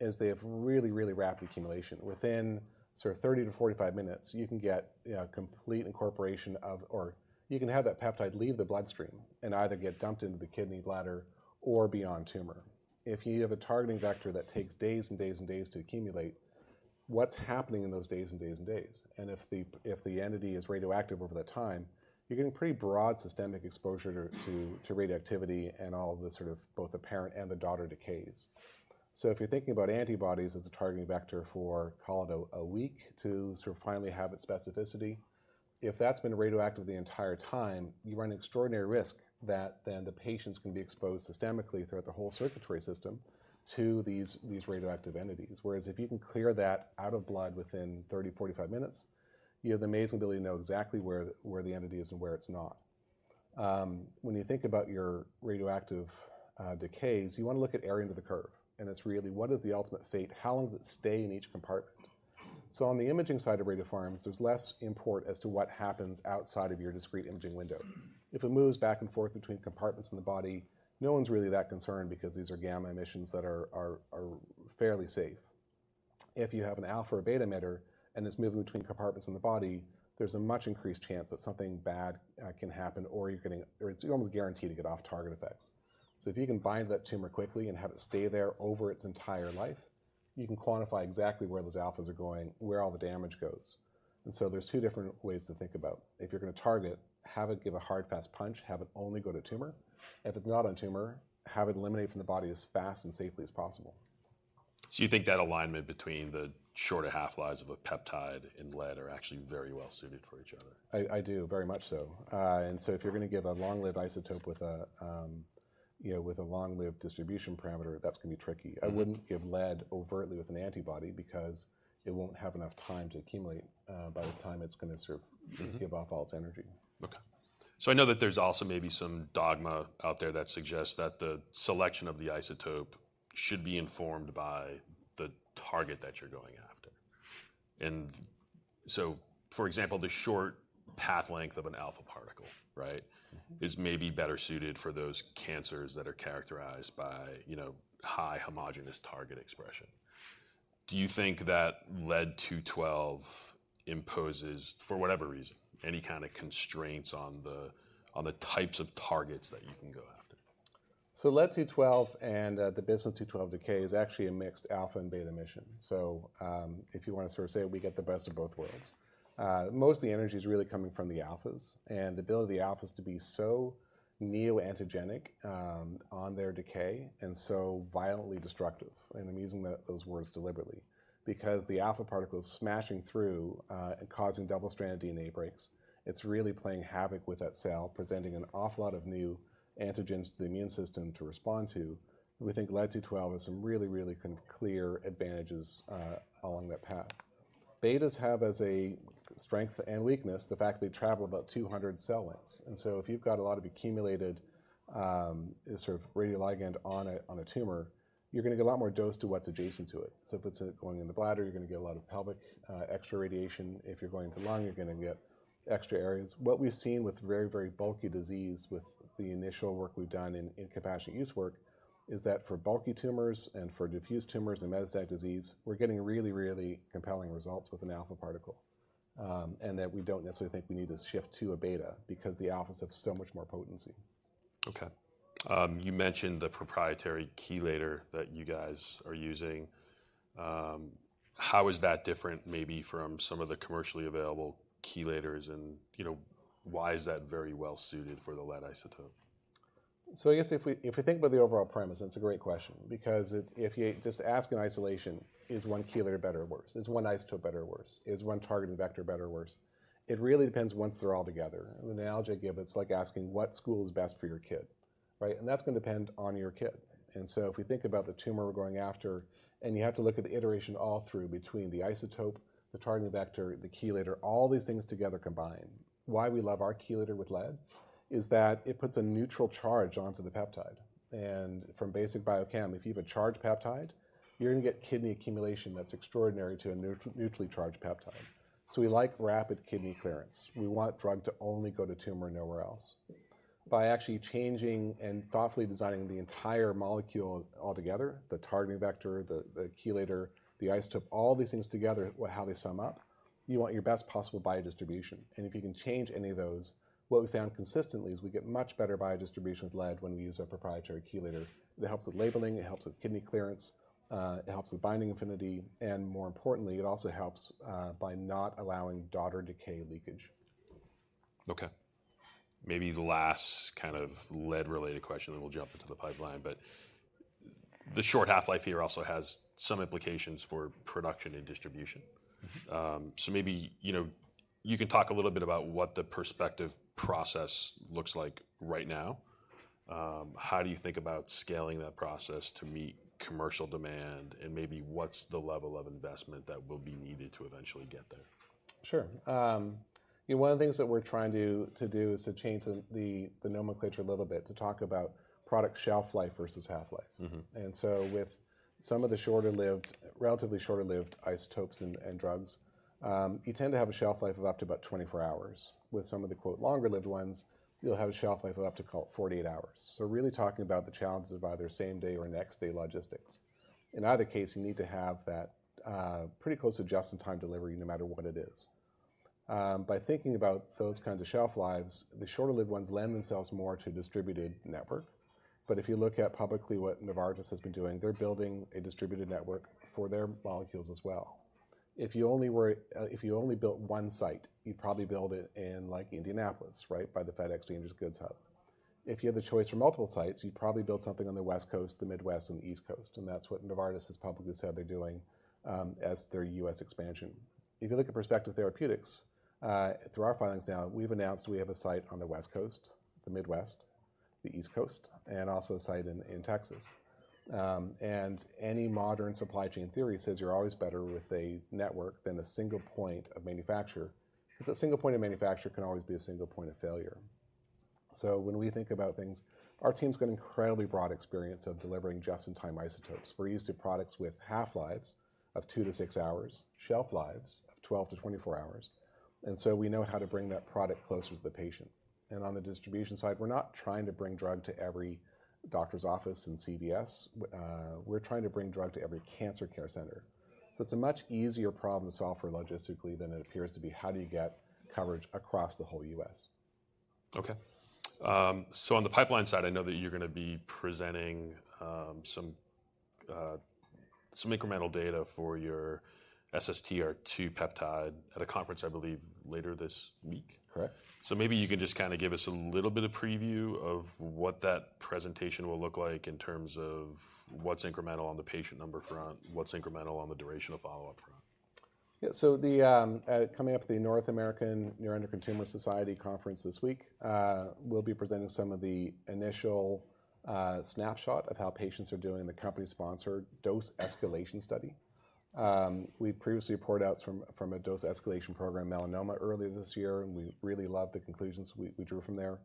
[SPEAKER 2] is they have really, really rapid accumulation. Within sort of 30-45 minutes, you can get complete incorporation of, or you can have that peptide leave the bloodstream and either get dumped into the kidney, bladder, or bind to tumor. If you have a targeting vector that takes days and days and days to accumulate, what's happening in those days and days and days? And if the entity is radioactive over the time, you're getting pretty broad systemic exposure to radioactivity and all of the sort of both the parent and the daughter decays. So if you're thinking about antibodies as a targeting vector for, call it a week to sort of finally have its specificity, if that's been radioactive the entire time, you run an extraordinary risk that then the patients can be exposed systemically throughout the whole circulatory system to these radioactive entities. Whereas if you can clear that out of blood within 30-45 minutes, you have the amazing ability to know exactly where the entity is and where it's not. When you think about your radioactive decays, you want to look at area under the curve. And it's really, what is the ultimate fate? How long does it stay in each compartment? So on the imaging side of radiopharms, there's less importance as to what happens outside of your discrete imaging window. If it moves back and forth between compartments in the body, no one's really that concerned because these are gamma emissions that are fairly safe. If you have an alpha or beta emitter and it's moving between compartments in the body, there's a much increased chance that something bad can happen, or you're almost guaranteed to get off-target effects. So if you can bind that tumor quickly and have it stay there over its entire life, you can quantify exactly where those alphas are going, where all the damage goes. And so there's two different ways to think about. If you're going to target, have it give a hard, fast punch, have it only go to tumor. If it's not on tumor, have it eliminate from the body as fast and safely as possible.
[SPEAKER 1] So you think that alignment between the shorter half-lives of a peptide and lead are actually very well suited for each other?
[SPEAKER 2] I do, very much so. And so if you're going to give a long-lived isotope with a long-lived distribution parameter, that's going to be tricky. I wouldn't give lead overtly with an antibody because it won't have enough time to accumulate by the time it's going to sort of give off all its energy.
[SPEAKER 1] OK. So I know that there's also maybe some dogma out there that suggests that the selection of the isotope should be informed by the target that you're going after. And so, for example, the short path length of an alpha particle is maybe better suited for those cancers that are characterized by high homogeneous target expression. Do you think that Lead-212 imposes, for whatever reason, any kind of constraints on the types of targets that you can go after?
[SPEAKER 2] So Lead-212 and the Bismuth-212 decay is actually a mixed alpha and beta emission. So if you want to sort of say it, we get the best of both worlds. Most of the energy is really coming from the alphas. And the ability of the alphas to be so neoantigenic on their decay and so violently destructive, and I'm using those words deliberately, because the alpha particle is smashing through and causing double-stranded DNA breaks. It's really playing havoc with that cell, presenting an awful lot of new antigens to the immune system to respond to. We think Lead-212 has some really, really clear advantages along that path. Betas have as a strength and weakness the fact that they travel about 200 cell lengths. And so if you've got a lot of accumulated sort of radioligand on a tumor, you're going to get a lot more dose to what's adjacent to it. So if it's going in the bladder, you're going to get a lot of pelvic extra radiation. If you're going to the lung, you're going to get extra areas. What we've seen with very, very bulky disease with the initial work we've done in compassionate use work is that for bulky tumors and for diffuse tumors and metastatic disease, we're getting really, really compelling results with an alpha particle. And that we don't necessarily think we need to shift to a beta because the alphas have so much more potency.
[SPEAKER 1] OK. You mentioned the proprietary chelator that you guys are using. How is that different maybe from some of the commercially available chelators? And why is that very well suited for the lead isotope?
[SPEAKER 2] So I guess if we think about the overall premise, and it's a great question, because if you just ask in isolation, is one chelator better or worse? Is one isotope better or worse? Is one targeting vector better or worse? It really depends once they're all together. The analogy I give, it's like asking what school is best for your kid. And that's going to depend on your kid. And so if we think about the tumor we're going after, and you have to look at the interplay throughout between the isotope, the targeting vector, the chelator, all these things together combined. Why we love our chelator with lead is that it puts a neutral charge onto the peptide. And from basic biochem, if you have a charged peptide, you're going to get kidney accumulation that's extraordinary to a neutrally charged peptide. So we like rapid kidney clearance. We want drug to only go to tumor and nowhere else. By actually changing and thoughtfully designing the entire molecule altogether, the targeting vector, the chelator, the isotope, all these things together, how they sum up, you want your best possible biodistribution, and if you can change any of those, what we found consistently is we get much better biodistribution with lead when we use our proprietary chelator. It helps with labeling. It helps with kidney clearance. It helps with binding affinity. And more importantly, it also helps by not allowing daughter decay leakage.
[SPEAKER 1] OK. Maybe the last kind of lead-related question, and we'll jump into the pipeline, but the short half-life here also has some implications for production and distribution. So maybe you can talk a little bit about what the Perspective process looks like right now. How do you think about scaling that process to meet commercial demand? And maybe what's the level of investment that will be needed to eventually get there?
[SPEAKER 2] Sure. One of the things that we're trying to do is to change the nomenclature a little bit to talk about product shelf life versus half-life. And so with some of the relatively shorter-lived isotopes and drugs, you tend to have a shelf life of up to about 24 hours. With some of the "longer-lived" ones, you'll have a shelf life of up to 48 hours. So really talking about the challenges of either same-day or next-day logistics. In either case, you need to have that just-in-time delivery no matter what it is. By thinking about those kinds of shelf lives, the shorter-lived ones lend themselves more to a distributed network. But if you look at publicly what Novartis has been doing, they're building a distributed network for their molecules as well. If you only built one site, you'd probably build it in like Indianapolis by the FedEx Dangerous Goods hub. If you had the choice for multiple sites, you'd probably build something on the West Coast, the Midwest, and the East Coast, and that's what Novartis has publicly said they're doing as their US expansion. If you look at Perspective Therapeutics, through our filings now, we've announced we have a site on the West Coast, the Midwest, the East Coast, and also a site in Texas. And any modern supply chain theory says you're always better with a network than a single point of manufacture, but that single point of manufacture can always be a single point of failure, so when we think about things, our team's got an incredibly broad experience of delivering just-in-time isotopes. We're used to products with half-lives of two to six hours, shelf lives of 12 to 24 hours, and on the distribution side, we're not trying to bring drug to every doctor's office and CVS. We're trying to bring drug to every cancer care center, so it's a much easier problem to solve for logistically than it appears to be: how do you get coverage across the whole U.S..
[SPEAKER 1] OK. So, on the pipeline side, I know that you're going to be presenting some incremental data for your SSTR2 peptide at a conference, I believe, later this week.
[SPEAKER 2] Correct.
[SPEAKER 1] So maybe you can just kind of give us a little bit of preview of what that presentation will look like in terms of what's incremental on the patient number front, what's incremental on the duration of follow-up front.
[SPEAKER 2] Yeah. So coming up at the North American Neuroendocrine Tumor Society conference this week, we'll be presenting some of the initial snapshot of how patients are doing the company-sponsored dose escalation study. We previously reported out from a dose escalation program, Melanoma, earlier this year. And we really love the conclusions we drew from there.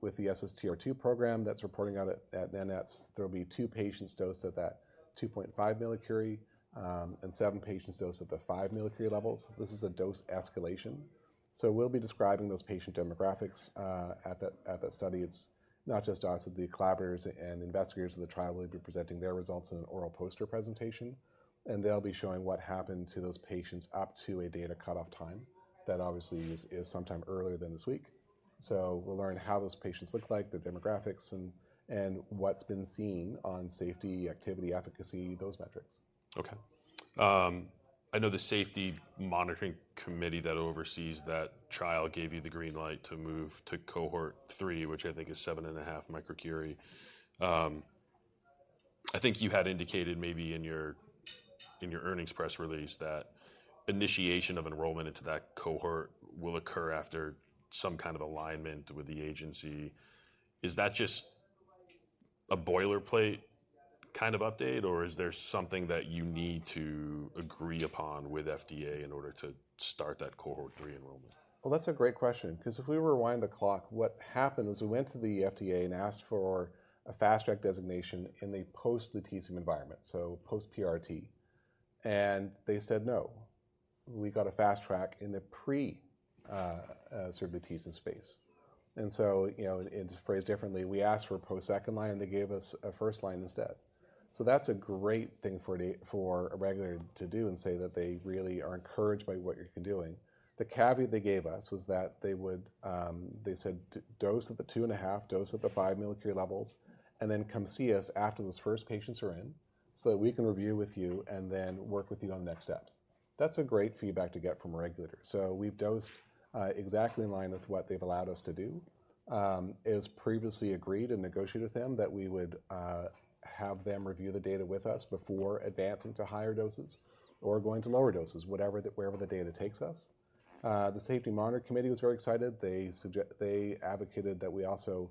[SPEAKER 2] With the SSTR2 program that's reporting out at NANETS, there'll be two patients dosed at that 2.5 millicurie and seven patients dosed at the 5 millicurie levels. This is a dose escalation. So we'll be describing those patient demographics at that study. It's not just us, but the collaborators and investigators of the trial will be presenting their results in an oral poster presentation. And they'll be showing what happened to those patients up to a data cutoff time that obviously is sometime earlier than this week. So we'll learn how those patients look like, their demographics, and what's been seen on safety, activity, efficacy, those metrics.
[SPEAKER 1] OK. I know the safety monitoring committee that oversees that trial gave you the green light to move to cohort three, which I think is 7.5 microcurie. I think you had indicated maybe in your earnings press release that initiation of enrollment into that cohort will occur after some kind of alignment with the agency. Is that just a boilerplate kind of update, or is there something that you need to agree upon with FDA in order to start that cohort three enrollment?
[SPEAKER 2] That's a great question. Because if we rewind the clock, what happened was we went to the FDA and asked for a fast-track designation in the post-SSTR environment, so post PRRT, they said no. We got a fast track in the pre-SSTR sort of the SSTR space, so to phrase differently, we asked for a post-second line, and they gave us a first line instead, so that's a great thing for a regulator to do and say that they really are encouraged by what you've been doing. The caveat they gave us was that they said dose at the two and one-half, dose at the five millicurie levels, and then come see us after those first patients are in so that we can review with you and then work with you on the next steps. That's a great feedback to get from a regulator. So we've dosed exactly in line with what they've allowed us to do. It was previously agreed and negotiated with them that we would have them review the data with us before advancing to higher doses or going to lower doses, wherever the data takes us. The safety monitoring committee was very excited. They advocated that we also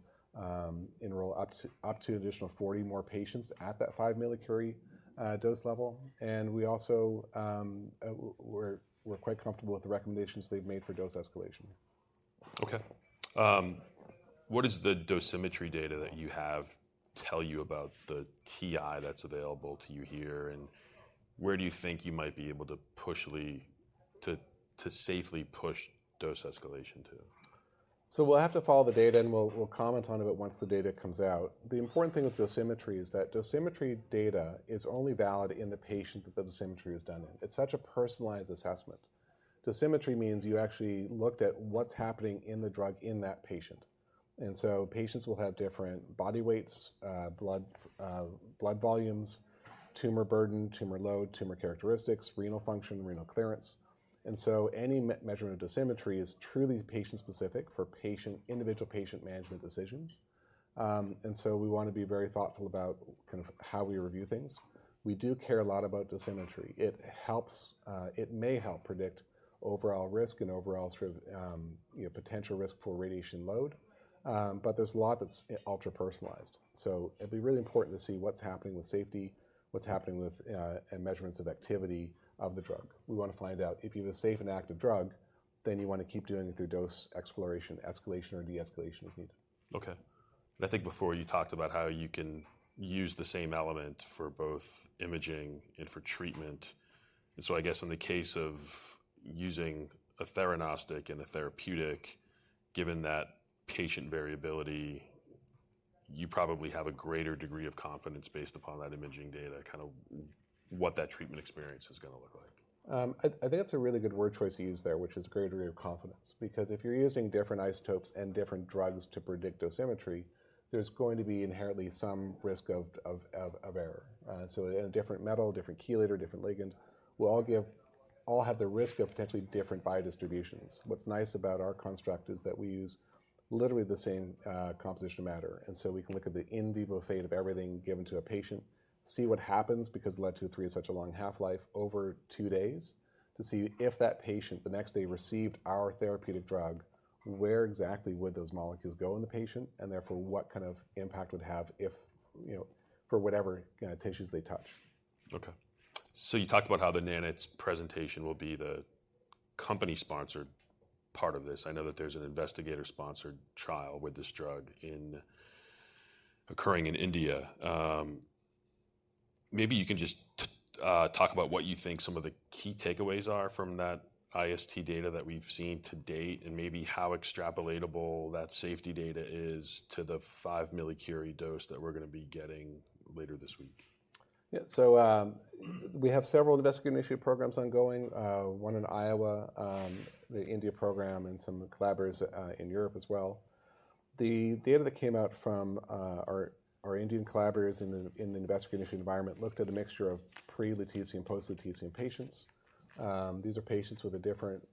[SPEAKER 2] enroll up to an additional 40 more patients at that 5 millicurie dose level. And we're quite comfortable with the recommendations they've made for dose escalation.
[SPEAKER 1] OK. What does the dosimetry data that you have tell you about the TI that's available to you here, and where do you think you might be able to safely push dose escalation to?
[SPEAKER 2] We'll have to follow the data, and we'll comment on it once the data comes out. The important thing with dosimetry is that dosimetry data is only valid in the patient that the dosimetry was done in. It's such a personalized assessment. Dosimetry means you actually looked at what's happening in the drug in that patient. Patients will have different body weights, blood volumes, tumor burden, tumor load, tumor characteristics, renal function, renal clearance. Any measurement of dosimetry is truly patient-specific for individual patient management decisions. We want to be very thoughtful about kind of how we review things. We do care a lot about dosimetry. It may help predict overall risk and overall potential risk for radiation load. There's a lot that's ultra-personalized. It'd be really important to see what's happening with safety, what's happening with measurements of activity of the drug. We want to find out if you have a safe and active drug, then you want to keep doing it through dose exploration, escalation, or de-escalation as needed.
[SPEAKER 1] OK. And I think before you talked about how you can use the same element for both imaging and for treatment. And so I guess in the case of using a theranostic and a therapeutic, given that patient variability, you probably have a greater degree of confidence based upon that imaging data, kind of what that treatment experience is going to look like.
[SPEAKER 2] I think that's a really good word choice to use there, which is greater degree of confidence. Because if you're using different isotopes and different drugs to predict dosimetry, there's going to be inherently some risk of error. So a different metal, a different chelator, a different ligand will all have the risk of potentially different biodistributions. What's nice about our construct is that we use literally the same composition of matter. And so we can look at the in vivo fate of everything given to a patient, see what happens because Lead-203 has such a long half-life over two days, to see if that patient the next day received our therapeutic drug, where exactly would those molecules go in the patient, and therefore what kind of impact would have for whatever tissues they touch.
[SPEAKER 1] OK. So you talked about how the NANETS presentation will be the company-sponsored part of this. I know that there's an investigator-initiated trial with this drug occurring in India. Maybe you can just talk about what you think some of the key takeaways are from that IST data that we've seen to date, and maybe how extrapolatable that safety data is to the 5 millicurie dose that we're going to be getting later this week.
[SPEAKER 2] Yeah. So we have several investigator-initiated programs ongoing, one in Iowa, the India program, and some collaborators in Europe as well. The data that came out from our Indian collaborators in the investigator-initiated environment looked at a mixture of pre-Lutathera and post-Lutathera patients. These are patients with a different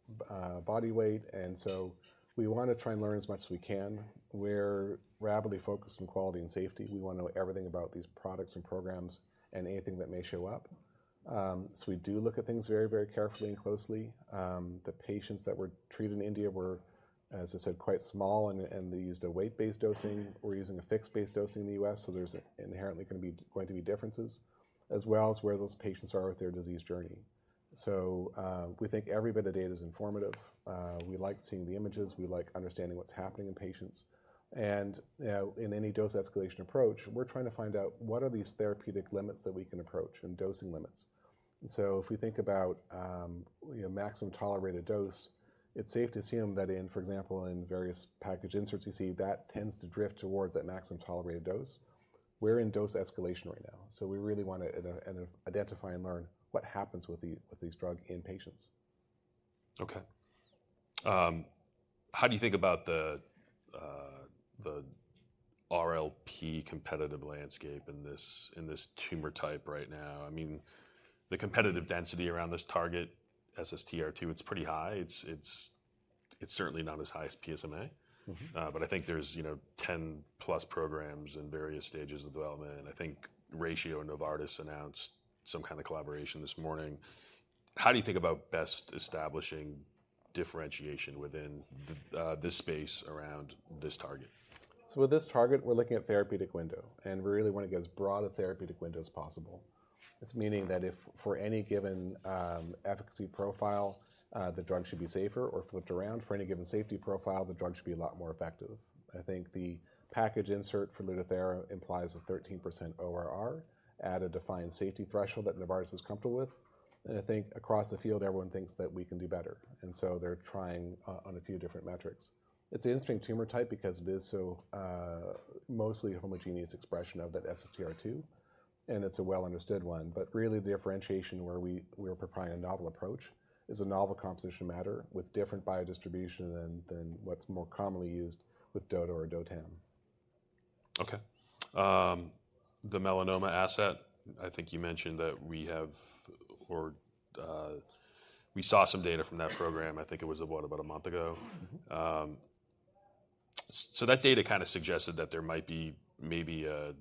[SPEAKER 2] body weight. And so we want to try and learn as much as we can. We're really focused on quality and safety. We want to know everything about these products and programs and anything that may show up. So we do look at things very, very carefully and closely. The patients that were treated in India were, as I said, quite small, and they used a weight-based dosing. We're using a fixed-dose dosing in the U.S.. So there's inherently going to be differences as well as where those patients are with their disease journey. So we think every bit of data is informative. We like seeing the images. We like understanding what's happening in patients. And in any dose escalation approach, we're trying to find out what are these therapeutic limits that we can approach and dosing limits. And so if we think about maximum tolerated dose, it's safe to assume that, for example, in various package inserts, you see that tends to drift towards that maximum tolerated dose. We're in dose escalation right now. So we really want to identify and learn what happens with these drugs in patients.
[SPEAKER 1] OK. How do you think about the RLP competitive landscape in this tumor type right now? I mean, the competitive density around this target SSTR2, it's pretty high. It's certainly not as high as PSMA. But I think there's 10-plus programs in various stages of development. I think Ratio and Novartis announced some kind of collaboration this morning. How do you think about best establishing differentiation within this space around this target?
[SPEAKER 2] So with this target, we're looking at therapeutic window. And we really want to get as broad a therapeutic window as possible. This meaning that if for any given efficacy profile, the drug should be safer or flipped around, for any given safety profile, the drug should be a lot more effective. I think the package insert for Lutathera implies a 13% ORR at a defined safety threshold that Novartis is comfortable with. And I think across the field, everyone thinks that we can do better. And so they're trying on a few different metrics. It's an interesting tumor type because it is mostly a homogeneous expression of that SSTR2. And it's a well-understood one. But really, the differentiation where we're applying a novel approach is a novel composition of matter with different biodistribution than what's more commonly used with DOTA or DOTAM.
[SPEAKER 1] OK. The Melanoma asset, I think you mentioned that we saw some data from that program. I think it was about a month ago. So that data kind of suggested that there might be maybe a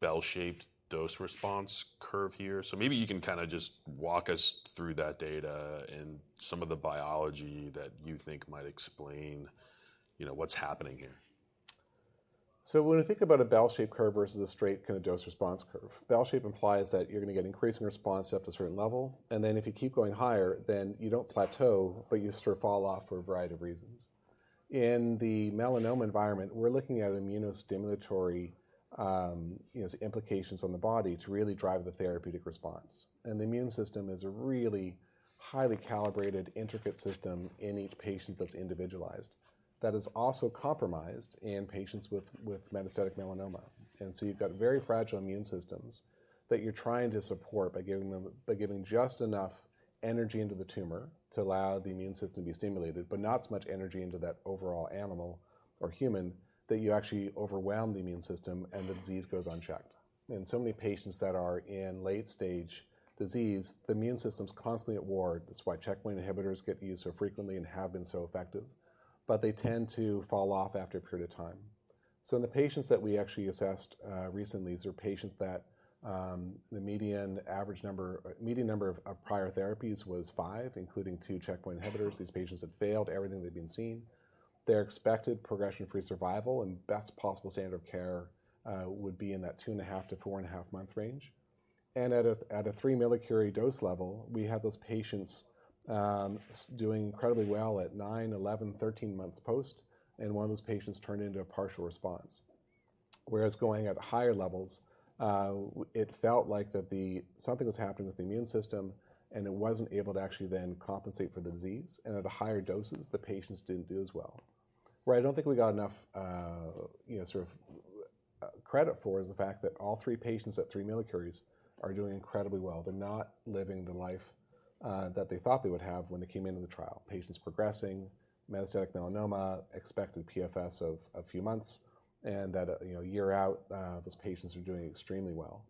[SPEAKER 1] bell-shaped dose-response curve here. So maybe you can kind of just walk us through that data and some of the biology that you think might explain what's happening here.
[SPEAKER 2] So when we think about a bell-shaped curve versus a straight kind of dose response curve, bell-shaped implies that you're going to get increasing response up to a certain level. And then if you keep going higher, then you don't plateau, but you sort of fall off for a variety of reasons. In the melanoma environment, we're looking at immunostimulatory implications on the body to really drive the therapeutic response. And the immune system is a really highly calibrated, intricate system in each patient that's individualized that is also compromised in patients with metastatic melanoma. And so you've got very fragile immune systems that you're trying to support by giving just enough energy into the tumor to allow the immune system to be stimulated, but not so much energy into that overall animal or human that you actually overwhelm the immune system and the disease goes unchecked. In so many patients that are in late-stage disease, the immune system's constantly at war. That's why checkpoint inhibitors get used so frequently and have been so effective. But they tend to fall off after a period of time. So in the patients that we actually assessed recently, these are patients that the median average number of prior therapies was five, including two checkpoint inhibitors. These patients had failed everything they'd been seeing. Their expected progression-free survival and best possible standard of care would be in that two and one-half to four and one-half month range. And at a three millicurie dose level, we had those patients doing incredibly well at nine, 11, 13 months post. And one of those patients turned into a partial response. Whereas going at higher levels, it felt like something was happening with the immune system, and it wasn't able to actually then compensate for the disease. And at higher doses, the patients didn't do as well. Where I don't think we got enough sort of credit for is the fact that all three patients at 3 millicuries are doing incredibly well. They're not living the life that they thought they would have when they came into the trial. Patients progressing, metastatic melanoma, expected PFS of a few months, and that a year out, those patients are doing extremely well.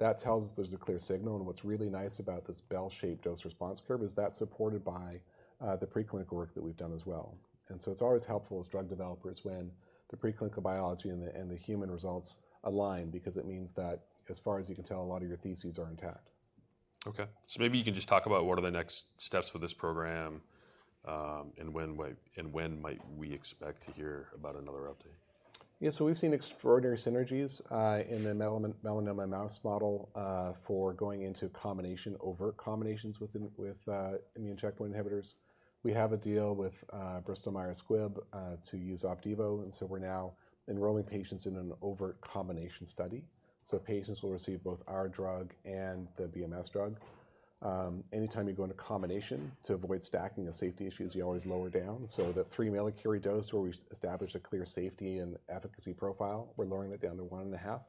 [SPEAKER 2] That tells us there's a clear signal. And what's really nice about this bell-shaped dose response curve is that supported by the preclinical work that we've done as well. It's always helpful as drug developers when the preclinical biology and the human results align, because it means that as far as you can tell, a lot of your theses are intact.
[SPEAKER 1] OK. So maybe you can just talk about what are the next steps for this program and when might we expect to hear about another update?
[SPEAKER 2] Yeah. So we've seen extraordinary synergies in the melanoma mouse model for going into overt combinations with immune checkpoint inhibitors. We have a deal with Bristol Myers Squibb to use Opdivo. And so we're now enrolling patients in an overt combination study. So patients will receive both our drug and the BMS drug. Anytime you go into combination, to avoid stacking of safety issues, you always lower down. So that three millicurie dose, where we established a clear safety and efficacy profile, we're lowering that down to one and one-half.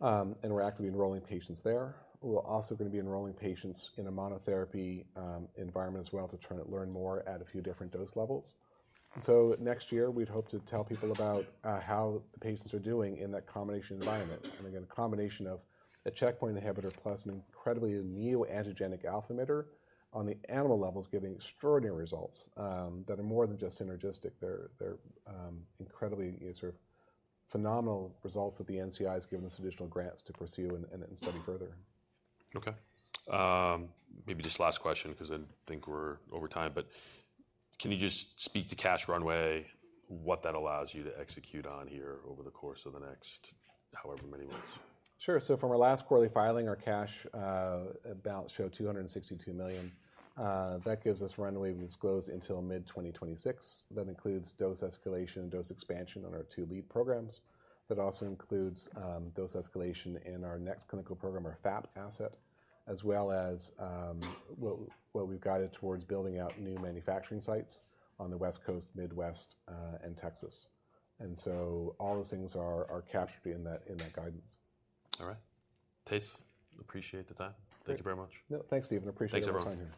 [SPEAKER 2] And we're actively enrolling patients there. We're also going to be enrolling patients in a monotherapy environment as well to learn more at a few different dose levels. And so next year, we'd hope to tell people about how the patients are doing in that combination environment. Again, a combination of a checkpoint inhibitor plus an incredibly neoantigenic alpha emitter on the animal level is giving extraordinary results that are more than just synergistic. They're incredibly sort of phenomenal results that the NCI has given us additional grants to pursue and study further.
[SPEAKER 1] OK. Maybe just last question, because I think we're over time, but can you just speak to cash runway, what that allows you to execute on here over the course of the next however many months?
[SPEAKER 2] Sure, so from our last quarterly filing, our cash balance showed $262 million. That gives us runway disclosed until mid-2026. That includes dose escalation and dose expansion on our two lead programs. That also includes dose escalation in our next clinical program, our FAP asset, as well as what we've guided towards building out new manufacturing sites on the West Coast, Midwest, and Texas, and so all those things are captured in that guidance.
[SPEAKER 1] All right. Thijs, appreciate the time. Thank you very much.
[SPEAKER 2] Thanks, Stephen. Appreciate you all.
[SPEAKER 1] Thanks everyone.